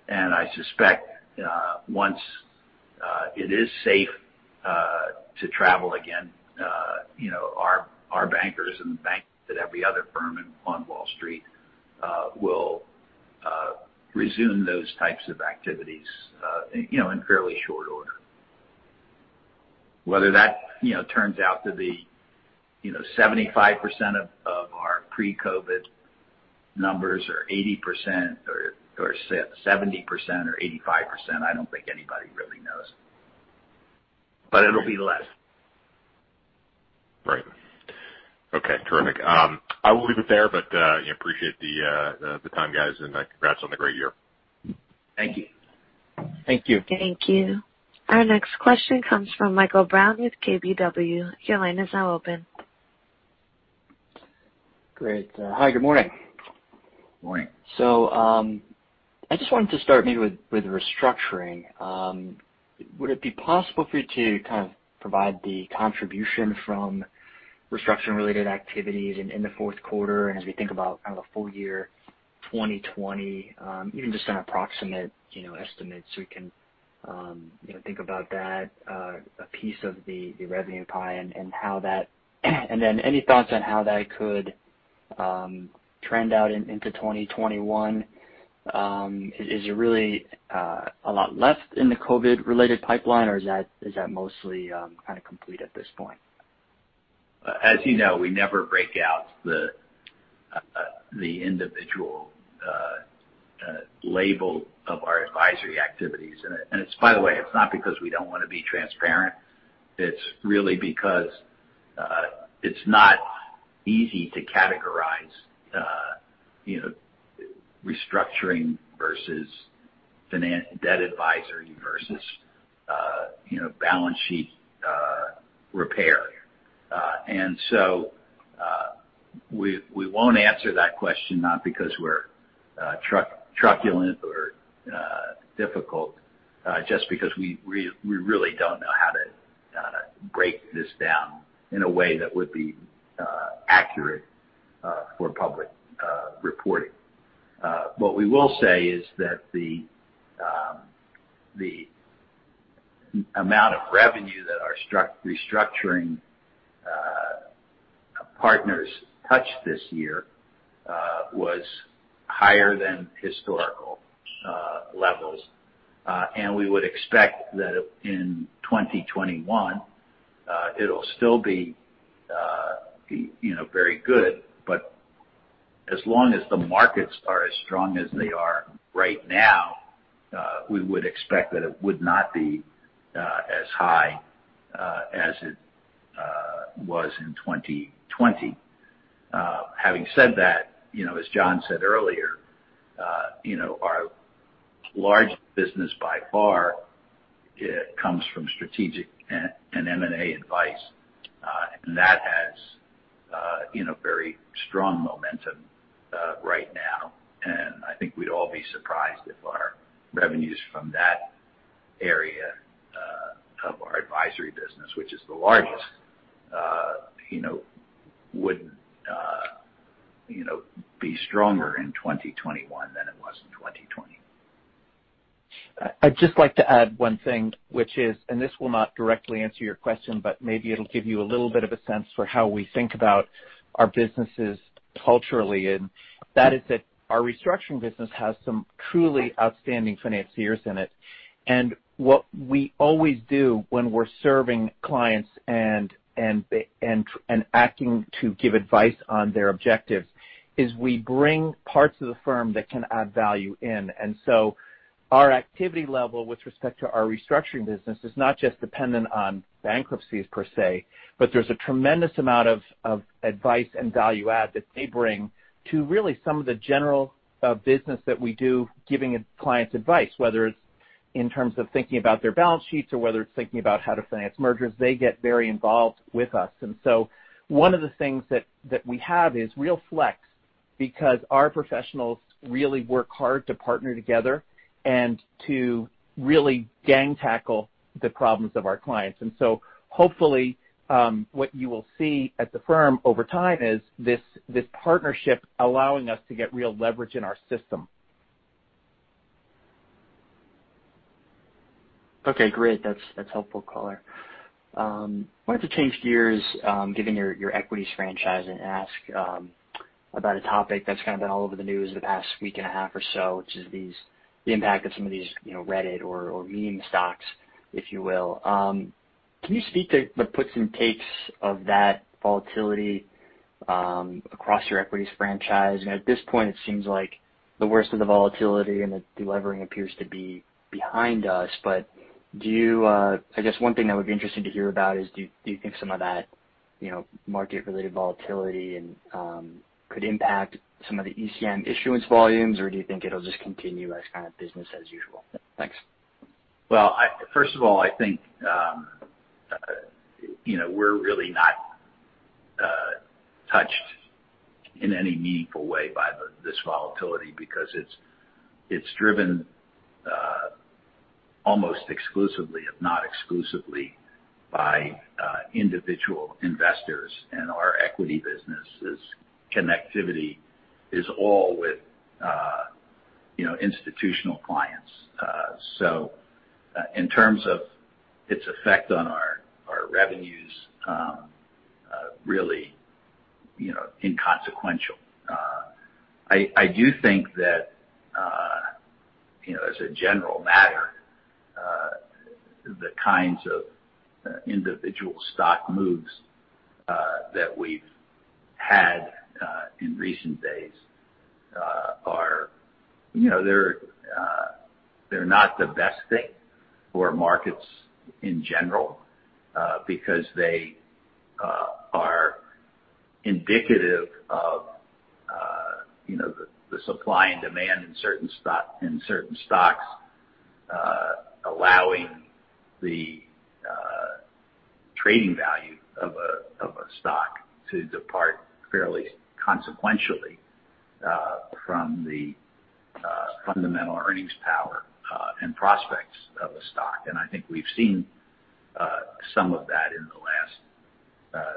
S3: I suspect once it is safe to travel again, our bankers and the bankers at every other firm on Wall Street will resume those types of activities in fairly short order. Whether that turns out to be 75% of our pre-COVID numbers or 80% or 70% or 85%, I don't think anybody really knows. It'll be less.
S7: Right. Okay, terrific. I will leave it there, but I appreciate the time, guys, and congrats on the great year.
S3: Thank you.
S4: Thank you.
S1: Thank you. Our next question comes from Michael Brown with KBW. Your line is now open.
S8: Great. Hi, good morning.
S3: Morning.
S8: I just wanted to start maybe with restructuring. Would it be possible for you to kind of provide the contribution from restructuring-related activities in the fourth quarter and as we think about kind of the full year 2020, even just an approximate estimate so we can think about that, a piece of the revenue pie, and then any thoughts on how that could trend out into 2021? Is there really a lot left in the COVID-related pipeline, or is that mostly kind of complete at this point?
S3: As you know, we never break out the individual label of our advisory activities. By the way, it's not because we don't want to be transparent. It's really because it's not easy to categorize restructuring versus debt advisory versus balance sheet repair. So we won't answer that question, not because we're truculent or difficult, just because we really don't know how to break this down in a way that would be accurate for public reporting. What we will say is that the amount of revenue that our restructuring partners touched this year was higher than historical levels. We would expect that in 2021, it'll still be very good, but as long as the markets are as strong as they are right now, we would expect that it would not be as high as it was in 2020. Having said that, as John said earlier, our largest business by far comes from strategic and M&A advice. That has very strong momentum right now. I think we'd all be surprised if our revenues from that area of our advisory business, which is the largest, wouldn't be stronger in 2021 than it was in 2020.
S4: I'd just like to add one thing, and this will not directly answer your question, but maybe it'll give you a little bit of a sense for how we think about our businesses culturally, and that is that our restructuring business has some truly outstanding financiers in it. What we always do when we're serving clients and acting to give advice on their objectives is we bring parts of the firm that can add value in. Our activity level with respect to our restructuring business is not just dependent on bankruptcies per se, but there's a tremendous amount of advice and value add that they bring to really some of the general business that we do, giving clients advice. Whether it's in terms of thinking about their balance sheets or whether it's thinking about how to finance mergers, they get very involved with us. One of the things that we have is real flex because our professionals really work hard to partner together and to really gang tackle the problems of our clients. Hopefully what you will see at the firm over time is this partnership allowing us to get real leverage in our system.
S8: Okay, great. That's helpful color. Wanted to change gears, given your equities franchise, and ask about a topic that's kind of been all over the news the past week and a half or so, which is the impact of some of these Reddit or meme stocks, if you will. Can you speak to the puts and takes of that volatility across your equities franchise? At this point, it seems like the worst of the volatility and the de-levering appears to be behind us. I guess one thing that would be interesting to hear about is, do you think some of that market-related volatility could impact some of the ECM issuance volumes, or do you think it'll just continue as kind of business as usual? Thanks.
S3: Well, first of all, I think we're really not touched in any meaningful way by this volatility because it's driven almost exclusively, if not exclusively, by individual investors and our equity business' connectivity is all with institutional clients. In terms of its effect on our revenues, really inconsequential. I do think that as a general matter, the kinds of individual stock moves that we've had in recent days are not the best thing for markets in general because they are indicative of the supply and demand in certain stocks allowing the trading value of a stock to depart fairly consequentially from the fundamental earnings power and prospects of a stock. I think we've seen some of that in the last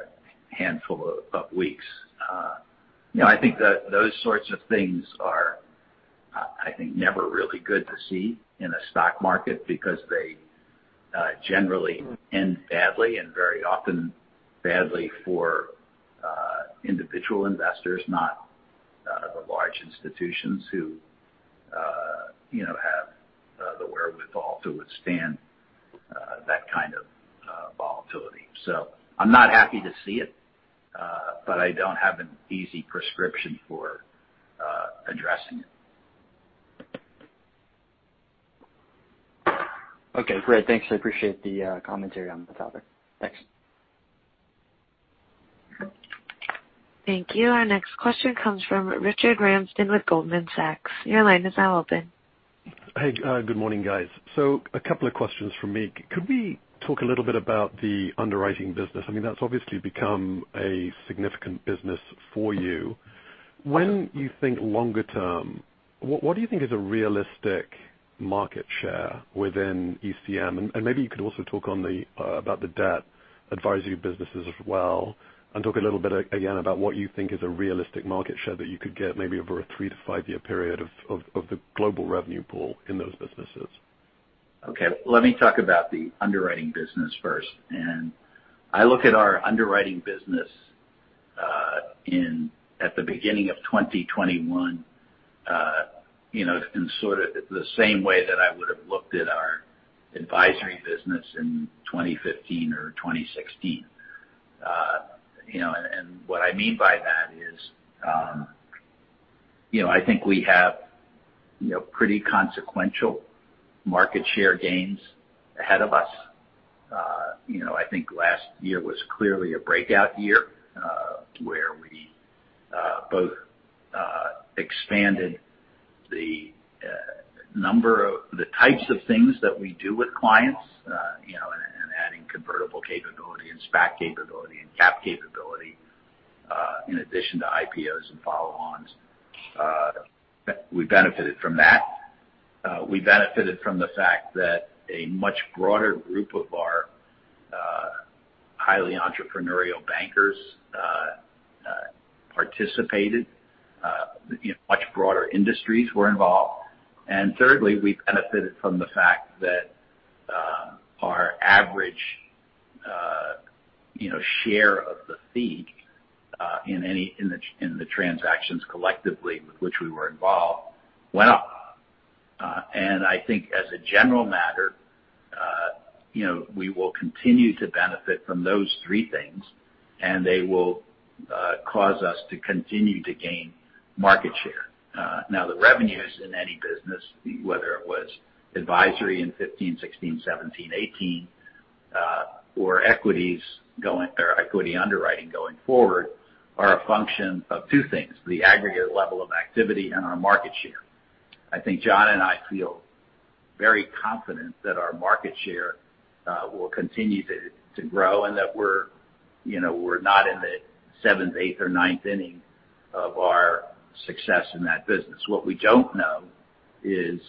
S3: handful of weeks. I think those sorts of things are never really good to see in a stock market because they generally end badly and very often badly for individual investors, not the large institutions who have the wherewithal to withstand that kind of volatility. I'm not happy to see it, but I don't have an easy prescription for addressing it.
S8: Okay, great. Thanks. I appreciate the commentary on the topic. Thanks.
S1: Thank you. Our next question comes from Richard Ramsden with Goldman Sachs. Your line is now open.
S9: Hey, good morning, guys. A couple of questions from me. Could we talk a little bit about the underwriting business? I mean, that's obviously become a significant business for you. When you think longer term, what do you think is a realistic market share within ECM? Maybe you could also talk about the debt advisory businesses as well, and talk a little bit again about what you think is a realistic market share that you could get maybe over a three to five-year period of the global revenue pool in those businesses.
S3: Okay. Let me talk about the underwriting business first. I look at our underwriting business at the beginning of 2021 in sort of the same way that I would've looked at our advisory business in 2015 or 2016. What I mean by that is I think we have pretty consequential market share gains ahead of us. I think last year was clearly a breakout year, where we both expanded the types of things that we do with clients, and adding convertible capability and SPAC capability and CAPS capability, in addition to IPOs and follow-ons. We benefited from that. We benefited from the fact that a much broader group of our highly entrepreneurial bankers participated. Much broader industries were involved. Thirdly, we benefited from the fact that our average share of the fee in the transactions collectively with which we were involved went up. I think as a general matter, we will continue to benefit from those three things, and they will cause us to continue to gain market share. The revenues in any business, whether it was advisory in 2015, 2016, 2017, 2018, or equity underwriting going forward, are a function of two things, the aggregate level of activity and our market share. I think John and I feel very confident that our market share will continue to grow and that we're not in the seventh, eighth, or ninth inning of our success in that business. What we don't know is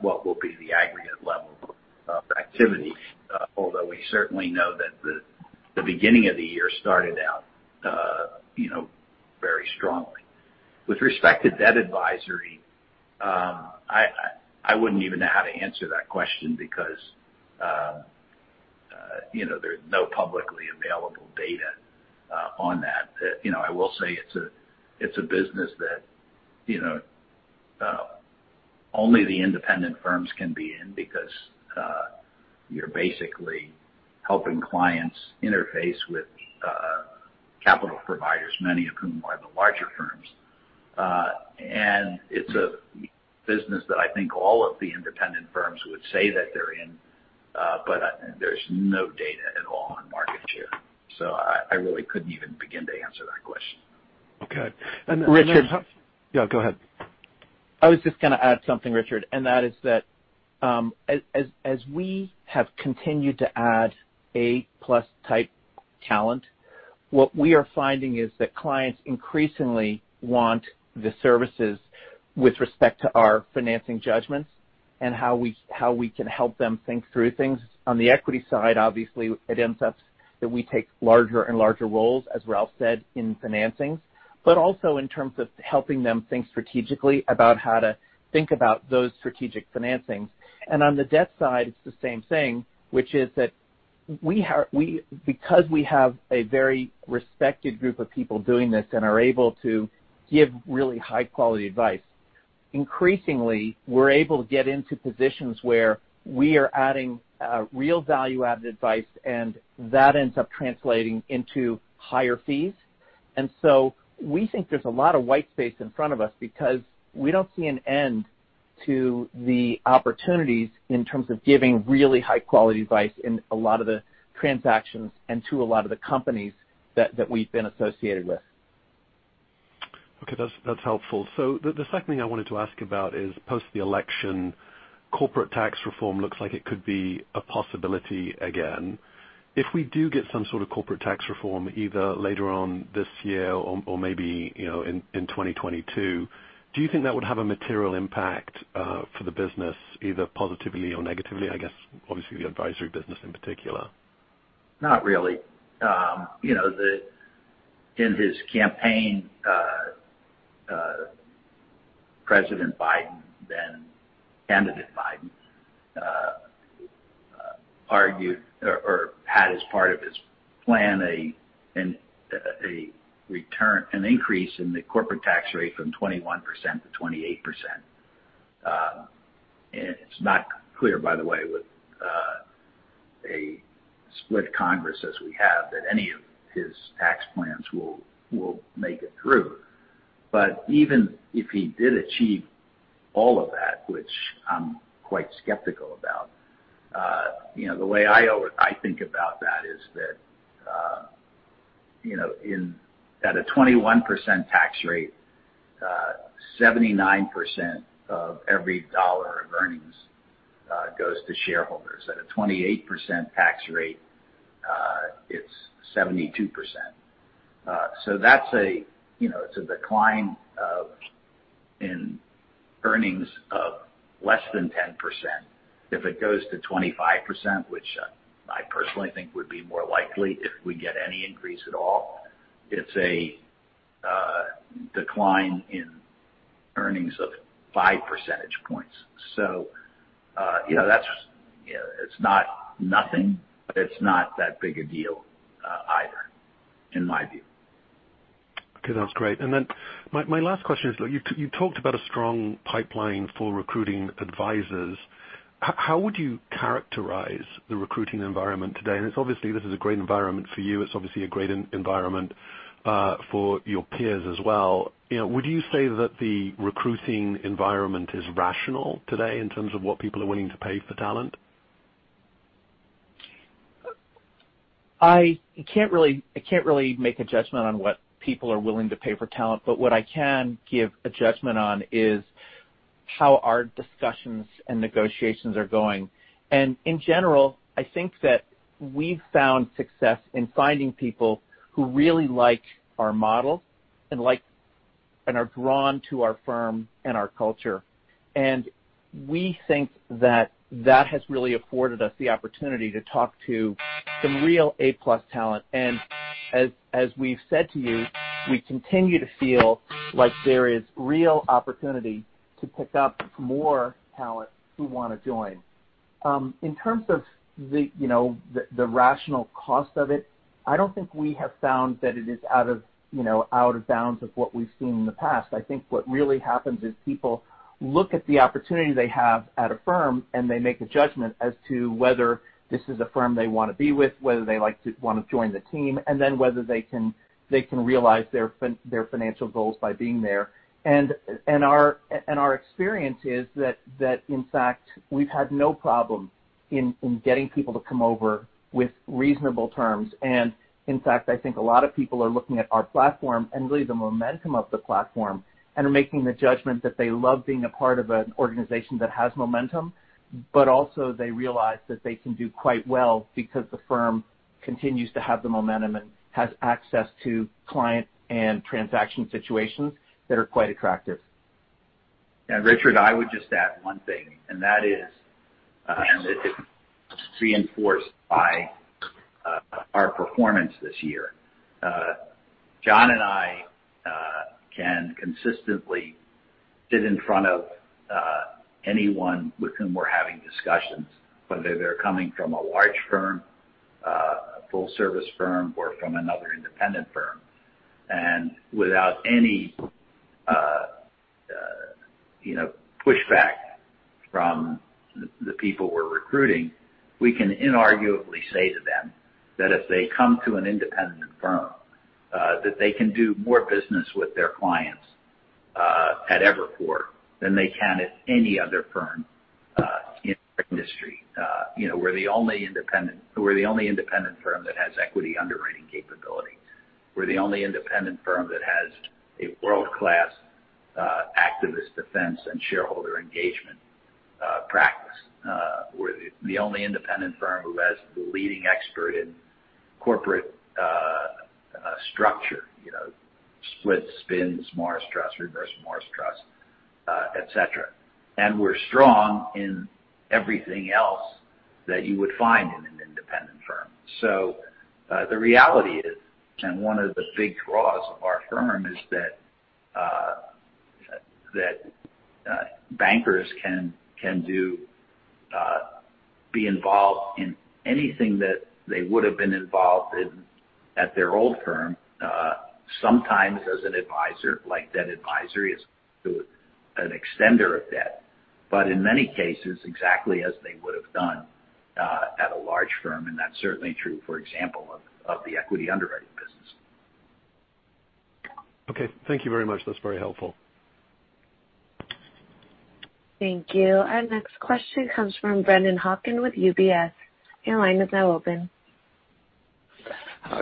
S3: what will be the aggregate level of activity, although we certainly know that the beginning of the year started out very strongly. With respect to debt advisory, I wouldn't even know how to answer that question because there's no publicly available data on that. I will say it's a business that only the independent firms can be in because you're basically helping clients interface with capital providers, many of whom are the larger firms. It's a business that I think all of the independent firms would say that they're in, but there's no data at all on market share. I really couldn't even begin to answer that question.
S9: Okay.
S4: Richard.
S9: Yeah, go ahead.
S4: I was just going to add something, Richard, and that is that as we have continued to add A-plus type talent, what we are finding is that clients increasingly want the services with respect to our financing judgments and how we can help them think through things. On the equity side, obviously, it ends up that we take larger and larger roles, as Ralph said, in financings, but also in terms of helping them think strategically about how to think about those strategic financings. On the debt side, it's the same thing, which is that because we have a very respected group of people doing this and are able to give really high-quality advice, increasingly, we're able to get into positions where we are adding real value-added advice, and that ends up translating into higher fees. We think there's a lot of white space in front of us because we don't see an end to the opportunities in terms of giving really high-quality advice in a lot of the transactions and to a lot of the companies that we've been associated with.
S9: Okay. That's helpful. The second thing I wanted to ask about is post the election, corporate tax reform looks like it could be a possibility again. If we do get some sort of corporate tax reform, either later on this year or maybe in 2022, do you think that would have a material impact for the business, either positively or negatively? I guess, obviously, the advisory business in particular.
S3: Not really. In his campaign, President Biden, then candidate Biden, argued or had as part of his plan an increase in the corporate tax rate from 21%-28%. It's not clear, by the way, with a split Congress as we have, that any of his tax plans will make it through. Even if he did achieve all of that, which I'm quite skeptical about, the way I think about that is that at a 21% tax rate, 79% of every dollar of earnings goes to shareholders. At a 28% tax rate, it's 72%. That's a decline in earnings of less than 10%. If it goes to 25%, which I personally think would be more likely if we get any increase at all, it's a decline in earnings of five percentage points. It's not nothing, but it's not that big a deal either, in my view.
S9: Okay. That's great. My last question is, you talked about a strong pipeline for recruiting advisors. How would you characterize the recruiting environment today? It's obviously this is a great environment for you. It's obviously a great environment for your peers as well. Would you say that the recruiting environment is rational today in terms of what people are willing to pay for talent?
S4: I can't really make a judgment on what people are willing to pay for talent, but what I can give a judgment on is how our discussions and negotiations are going. In general, I think that we've found success in finding people who really like our model and are drawn to our firm and our culture. We think that that has really afforded us the opportunity to talk to some real A-plus talent. As we've said to you, we continue to feel like there is real opportunity to pick up more talent who want to join. In terms of the rational cost of it, I don't think we have found that it is out of bounds of what we've seen in the past. I think what really happens is people look at the opportunity they have at a firm, and they make a judgment as to whether this is a firm they want to be with, whether they want to join the team, and then whether they can realize their financial goals by being there. Our experience is that, in fact, we've had no problem in getting people to come over with reasonable terms. In fact, I think a lot of people are looking at our platform and really the momentum of the platform and are making the judgment that they love being a part of an organization that has momentum, but also they realize that they can do quite well because the firm continues to have the momentum and has access to clients and transaction situations that are quite attractive.
S3: Richard, I would just add one thing, and that is reinforced by our performance this year. John and I can consistently sit in front of anyone with whom we're having discussions, whether they're coming from a large firm, a full-service firm, or from another independent firm. Without any pushback from the people we're recruiting, we can inarguably say to them that if they come to an independent firm, that they can do more business with their clients at Evercore than they can at any other firm in our industry. We're the only independent firm that has equity underwriting capability. We're the only independent firm that has a world-class activist defense and shareholder engagement practice. We're the only independent firm who has the leading expert in corporate structure splits, spins, Morris Trust, Reverse Morris Trust et cetera. We're strong in everything else that you would find in an independent firm. The reality is, and one of the big draws of our firm is that bankers can be involved in anything that they would've been involved in at their old firm, sometimes as an advisor, like debt advisory, as an extender of debt, but in many cases, exactly as they would've done at a large firm. That's certainly true, for example, of the equity underwriting business.
S9: Okay. Thank you very much. That's very helpful.
S1: Thank you. Our next question comes from Brennan Hawken with UBS. Your line is now open.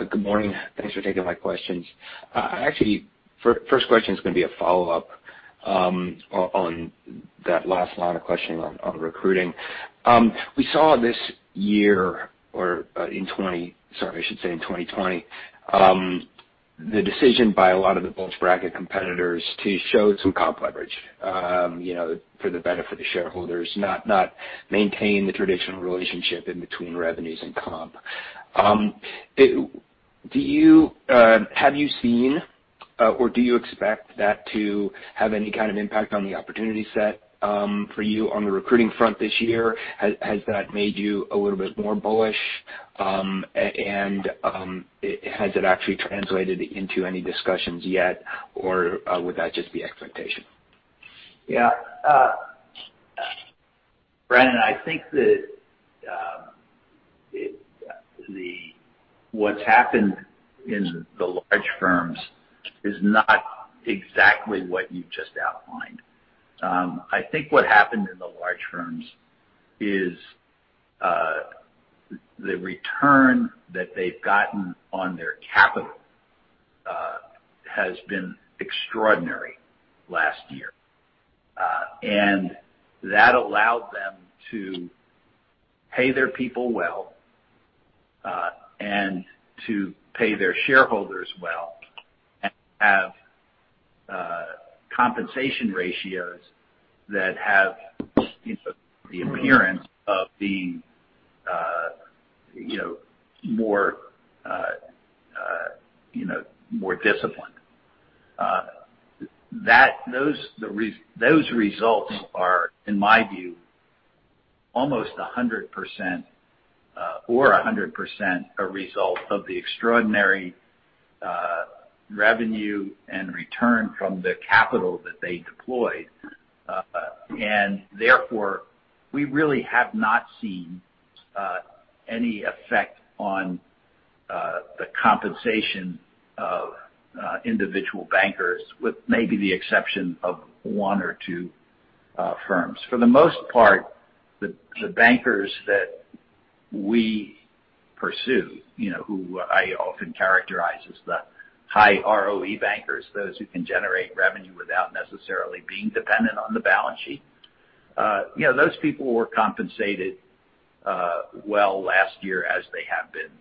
S10: Good morning. Thanks for taking my questions. First question is going to be a follow-up on that last line of questioning on recruiting. We saw this year, or sorry, I should say in 2020, the decision by a lot of the bulge bracket competitors to show some comp leverage for the benefit of shareholders, not maintain the traditional relationship in between revenues and comp. Have you seen or do you expect that to have any kind of impact on the opportunity set for you on the recruiting front this year? Has that made you a little bit more bullish? And has it actually translated into any discussions yet, or would that just be expectation?
S3: Yeah. Brennan, I think that what's happened in the large firms is not exactly what you just outlined. I think what happened in the large firms is the return that they've gotten on their capital has been extraordinary last year. That allowed them to pay their people well and to pay their shareholders well and have compensation ratios that have the appearance of being more disciplined. Those results are, in my view, almost 100% or 100% a result of the extraordinary revenue and return from the capital that they deployed. Therefore, we really have not seen any effect on the compensation of individual bankers, with maybe the exception of one or two firms. For the most part, the bankers that we pursue who I often characterize as the high ROE bankers, those who can generate revenue without necessarily being dependent on the balance sheet, those people were compensated well last year as they have been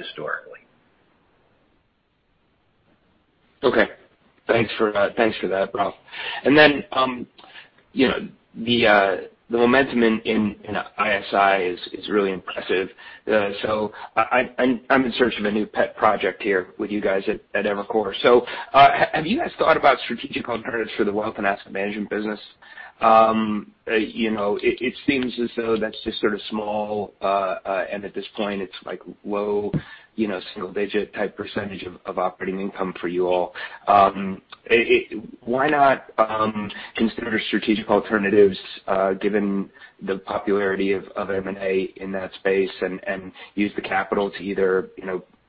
S3: historically.
S10: Okay. Thanks for that, Ralph. The momentum in ISI is really impressive. I'm in search of a new pet project here with you guys at Evercore. Have you guys thought about strategic alternatives for the wealth and asset management business? It seems as though that's just sort of small, and at this point it's like low single-digit type percentage of operating income for you all. Why not consider strategic alternatives given the popularity of M&A in that space and use the capital to either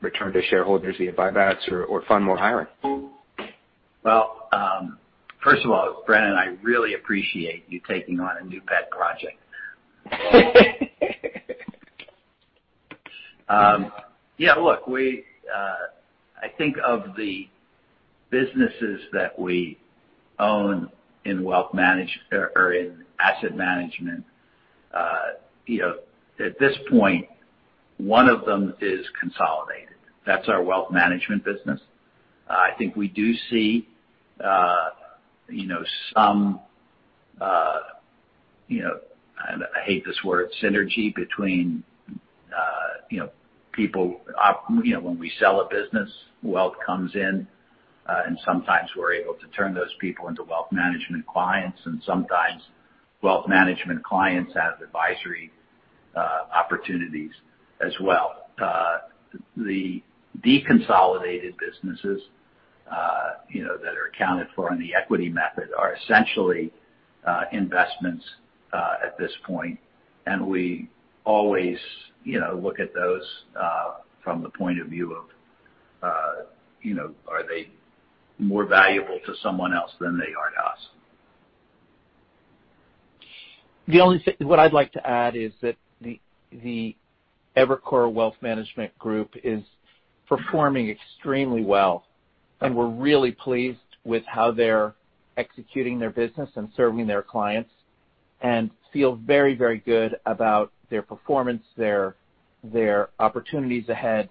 S10: return to shareholders via buybacks or fund more hiring?
S3: Well, first of all, Brennan, I really appreciate you taking on a new pet project. Yeah, look, I think of the businesses that we own in asset management, at this point, one of them is consolidated. That's our wealth management business. I think we do see some, and I hate this word, synergy between people. When we sell a business, wealth comes in, and sometimes we're able to turn those people into wealth management clients, and sometimes wealth management clients have advisory opportunities as well. The deconsolidated businesses that are accounted for on the equity method are essentially investments at this point. We always look at those from the point of view of are they more valuable to someone else than they are to us?
S4: What I'd like to add is that the Evercore wealth management group is performing extremely well, and we're really pleased with how they're executing their business and serving their clients, and feel very, very good about their performance, their opportunities ahead,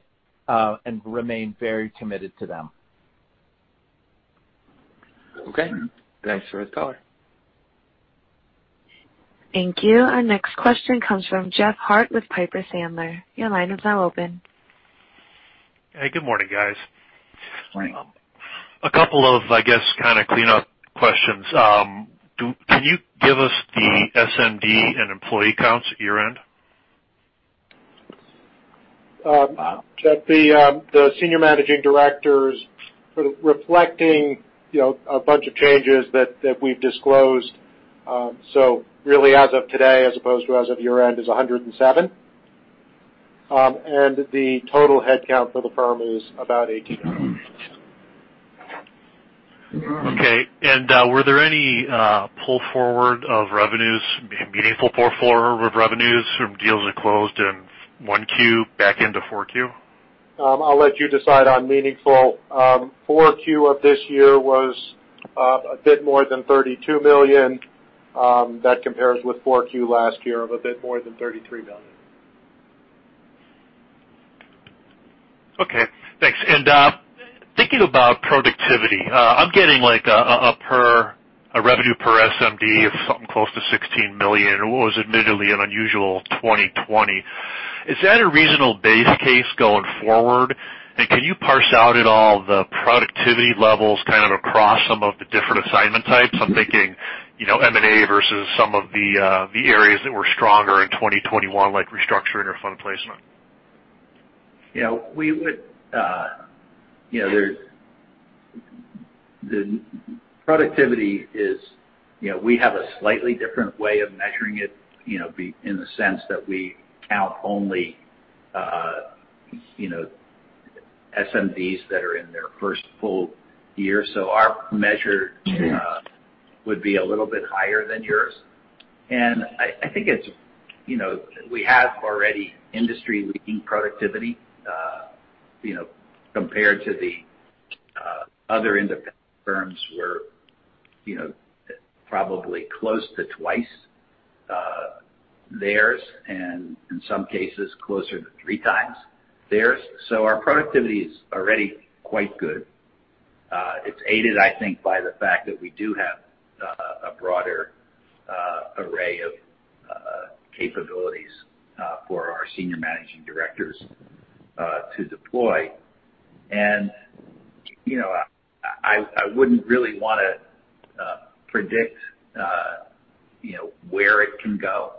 S4: and remain very committed to them.
S10: Okay. Thanks for the color.
S1: Thank you. Our next question comes from Jeff Harte with Piper Sandler. Your line is now open.
S11: Hey, good morning, guys.
S3: Morning.
S11: A couple of, I guess, kind of clean-up questions. Can you give us the SMD and employee counts at year-end?
S5: The Senior Managing Directors reflecting a bunch of changes that we've disclosed. Really, as of today, as opposed to as of year-end, is 107. The total headcount for the firm is about 1,800.
S11: Okay. Were there any pull forward of revenues, meaningful pull forward of revenues from deals that closed in 1Q back into 4Q?
S5: I'll let you decide on meaningful. 4Q of this year was a bit more than $32 million. That compares with 4Q last year of a bit more than $33 million.
S11: Okay, thanks. Thinking about productivity, I'm getting like a revenue per SMD of something close to $16 million, what was admittedly an unusual 2020. Is that a reasonable base case going forward? Can you parse out at all the productivity levels kind of across some of the different assignment types? I'm thinking M&A versus some of the areas that were stronger in 2021, like restructuring or fund placement.
S3: The productivity is we have a slightly different way of measuring it, in the sense that we count only SMDs that are in their first full year. Our measure would be a little bit higher than yours. I think we have already industry-leading productivity compared to the other independent firms. We're probably close to twice theirs, and in some cases, closer to three times theirs. Our productivity is already quite good. It's aided, I think, by the fact that we do have a broader array of capabilities for our Senior Managing Directors to deploy. I wouldn't really want to predict where it can go.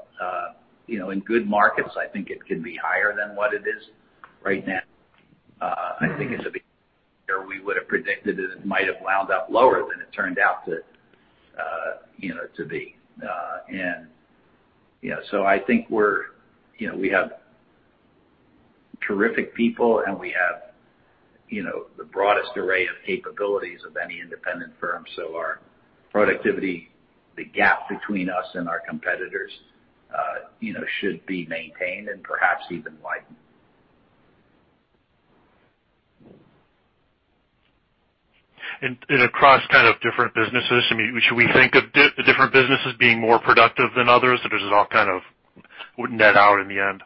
S3: In good markets, I think it can be higher than what it is right now. I think it's a bit where we would've predicted that it might have wound up lower than it turned out to be. I think we have terrific people, and we have the broadest array of capabilities of any independent firm. Our productivity, the gap between us and our competitors should be maintained and perhaps even widened.
S11: Across kind of different businesses, should we think of different businesses being more productive than others, or does it all kind of net out in the end?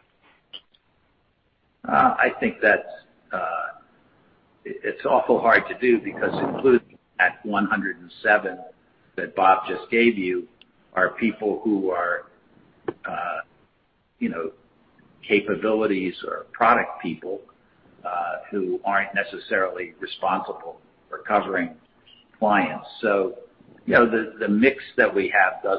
S3: I think that it's awful hard to do because included in that 107 that Bob just gave you are people who are capabilities or product people who aren't necessarily responsible for covering clients. The mix that we have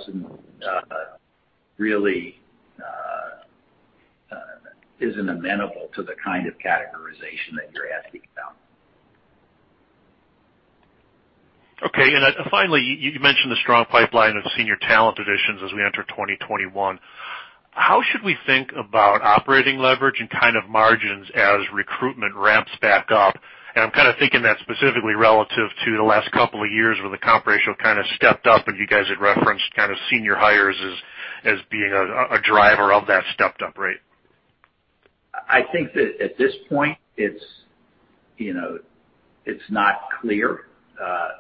S3: isn't amenable to the kind of categorization that you're asking about.
S11: Okay. Finally, you mentioned the strong pipeline of senior talent additions as we enter 2021. How should we think about operating leverage and kind of margins as recruitment ramps back up? I'm kind of thinking that specifically relative to the last couple of years where the comp ratio kind of stepped up, and you guys had referenced kind of senior hires as being a driver of that stepped-up rate.
S3: I think that at this point, it's not clear.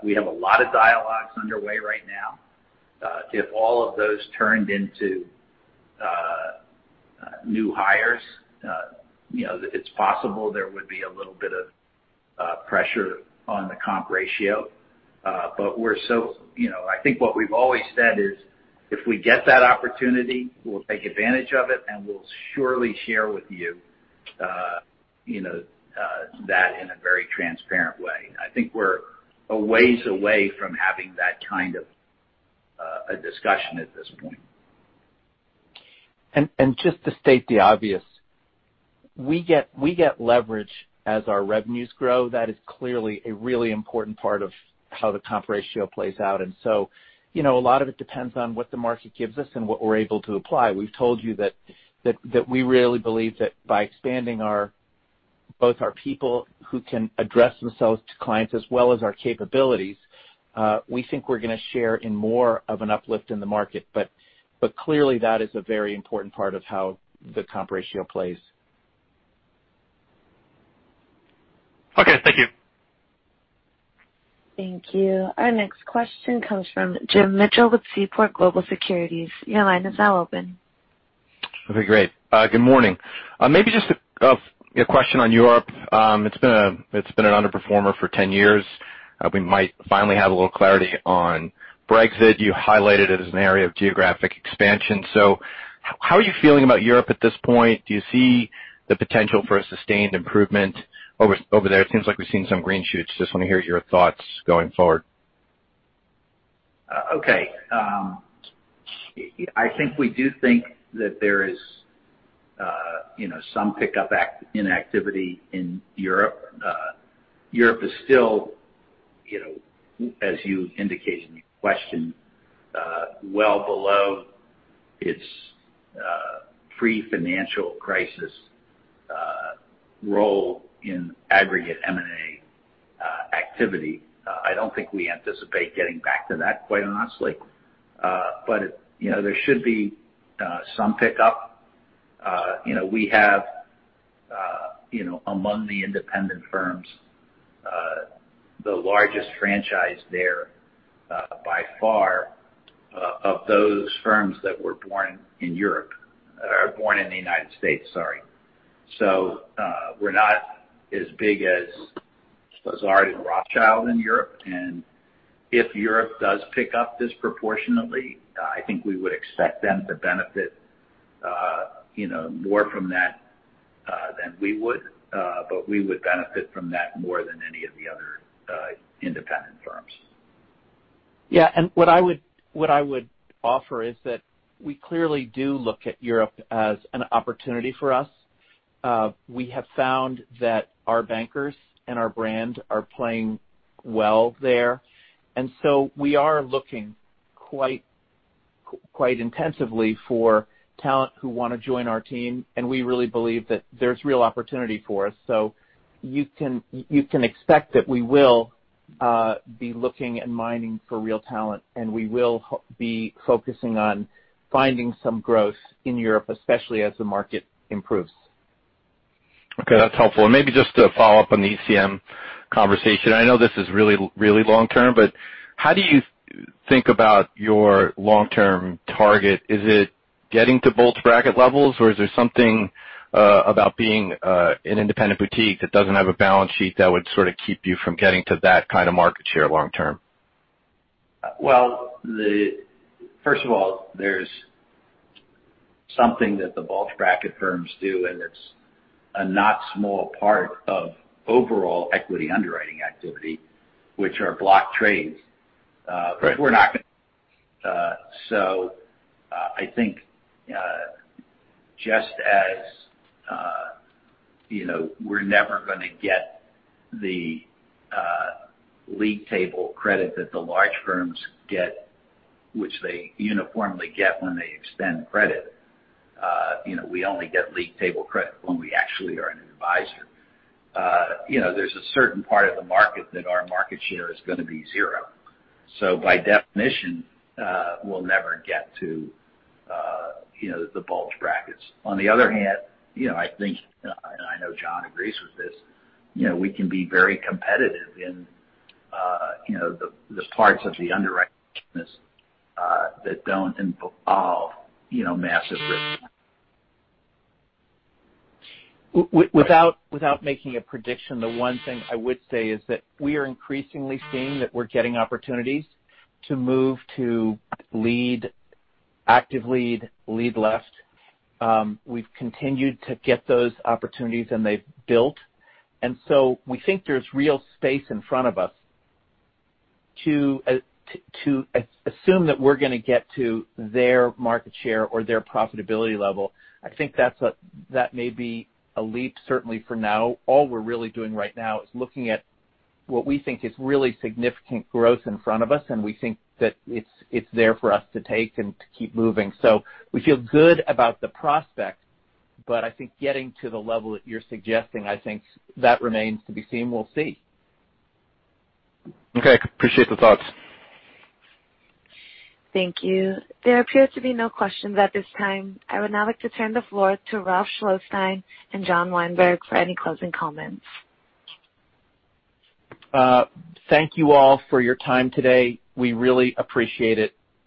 S3: We have a lot of dialogues underway right now. If all of those turned into new hires, it's possible there would be a little bit of pressure on the comp ratio. I think what we've always said is if we get that opportunity, we'll take advantage of it, and we'll surely share with you that in a very transparent way. I think we're a ways away from having that kind of a discussion at this point.
S4: Just to state the obvious, we get leverage as our revenues grow. That is clearly a really important part of how the comp ratio plays out. A lot of it depends on what the market gives us and what we're able to apply. We've told you that we really believe that by expanding both our people who can address themselves to clients as well as our capabilities, we think we're going to share in more of an uplift in the market. Clearly that is a very important part of how the comp ratio plays.
S11: Okay. Thank you.
S1: Thank you. Our next question comes from Jim Mitchell with Seaport Global Securities. Your line is now open.
S12: Okay, great. Good morning. Maybe just a question on Europe. It's been an underperformer for 10 years. We might finally have a little clarity on Brexit. You highlighted it as an area of geographic expansion. How are you feeling about Europe at this point? Do you see the potential for a sustained improvement over there? It seems like we've seen some green shoots. Just want to hear your thoughts going forward.
S3: Okay. I think we do think that there is some pickup in activity in Europe. Europe is still, as you indicated in your question, well below its pre-financial crisis role in aggregate M&A activity. I don't think we anticipate getting back to that, quite honestly. There should be some pickup. We have among the independent firms, the largest franchise there by far of those firms that were born in Europe or born in the United States, sorry. We're not as big as Lazard and Rothschild in Europe. If Europe does pick up disproportionately, I think we would expect them to benefit more from that than we would. We would benefit from that more than any of the other independent firms.
S4: Yeah. What I would offer is that we clearly do look at Europe as an opportunity for us. We have found that our bankers and our brand are playing well there, and so we are looking quite intensively for talent who want to join our team, and we really believe that there's real opportunity for us. You can expect that we will be looking and mining for real talent, and we will be focusing on finding some growth in Europe, especially as the market improves.
S12: Okay. That's helpful. Maybe just to follow up on the ECM conversation. I know this is really long-term, but how do you think about your long-term target? Is it getting to bulge bracket levels, or is there something about being an independent boutique that doesn't have a balance sheet that would sort of keep you from getting to that kind of market share long term?
S3: Well, first of all, there's something that the bulge bracket firms do, and it's a not small part of overall equity underwriting activity, which are block trades.
S12: Right.
S3: I think just as we're never going to get the league table credit that the large firms get, which they uniformly get when they extend credit. We only get league table credit when we actually are an adviser. There's a certain part of the market that our market share is going to be zero. By definition, we'll never get to the bulge brackets. On the other hand, I think, and I know John agrees with this, we can be very competitive in the parts of the underwriting business that don't involve massive risk.
S4: Without making a prediction, the one thing I would say is that we are increasingly seeing that we're getting opportunities to move to lead, active lead left. We've continued to get those opportunities, and they've built. We think there's real space in front of us to assume that we're going to get to their market share or their profitability level. I think that may be a leap, certainly for now. All we're really doing right now is looking at what we think is really significant growth in front of us, and we think that it's there for us to take and to keep moving. We feel good about the prospects. I think getting to the level that you're suggesting, I think that remains to be seen. We'll see.
S12: Okay. Appreciate the thoughts.
S1: Thank you. There appear to be no questions at this time. I would now like to turn the floor to Ralph Schlosstein and John Weinberg for any closing comments.
S4: Thank you all for your time today. We really appreciate it.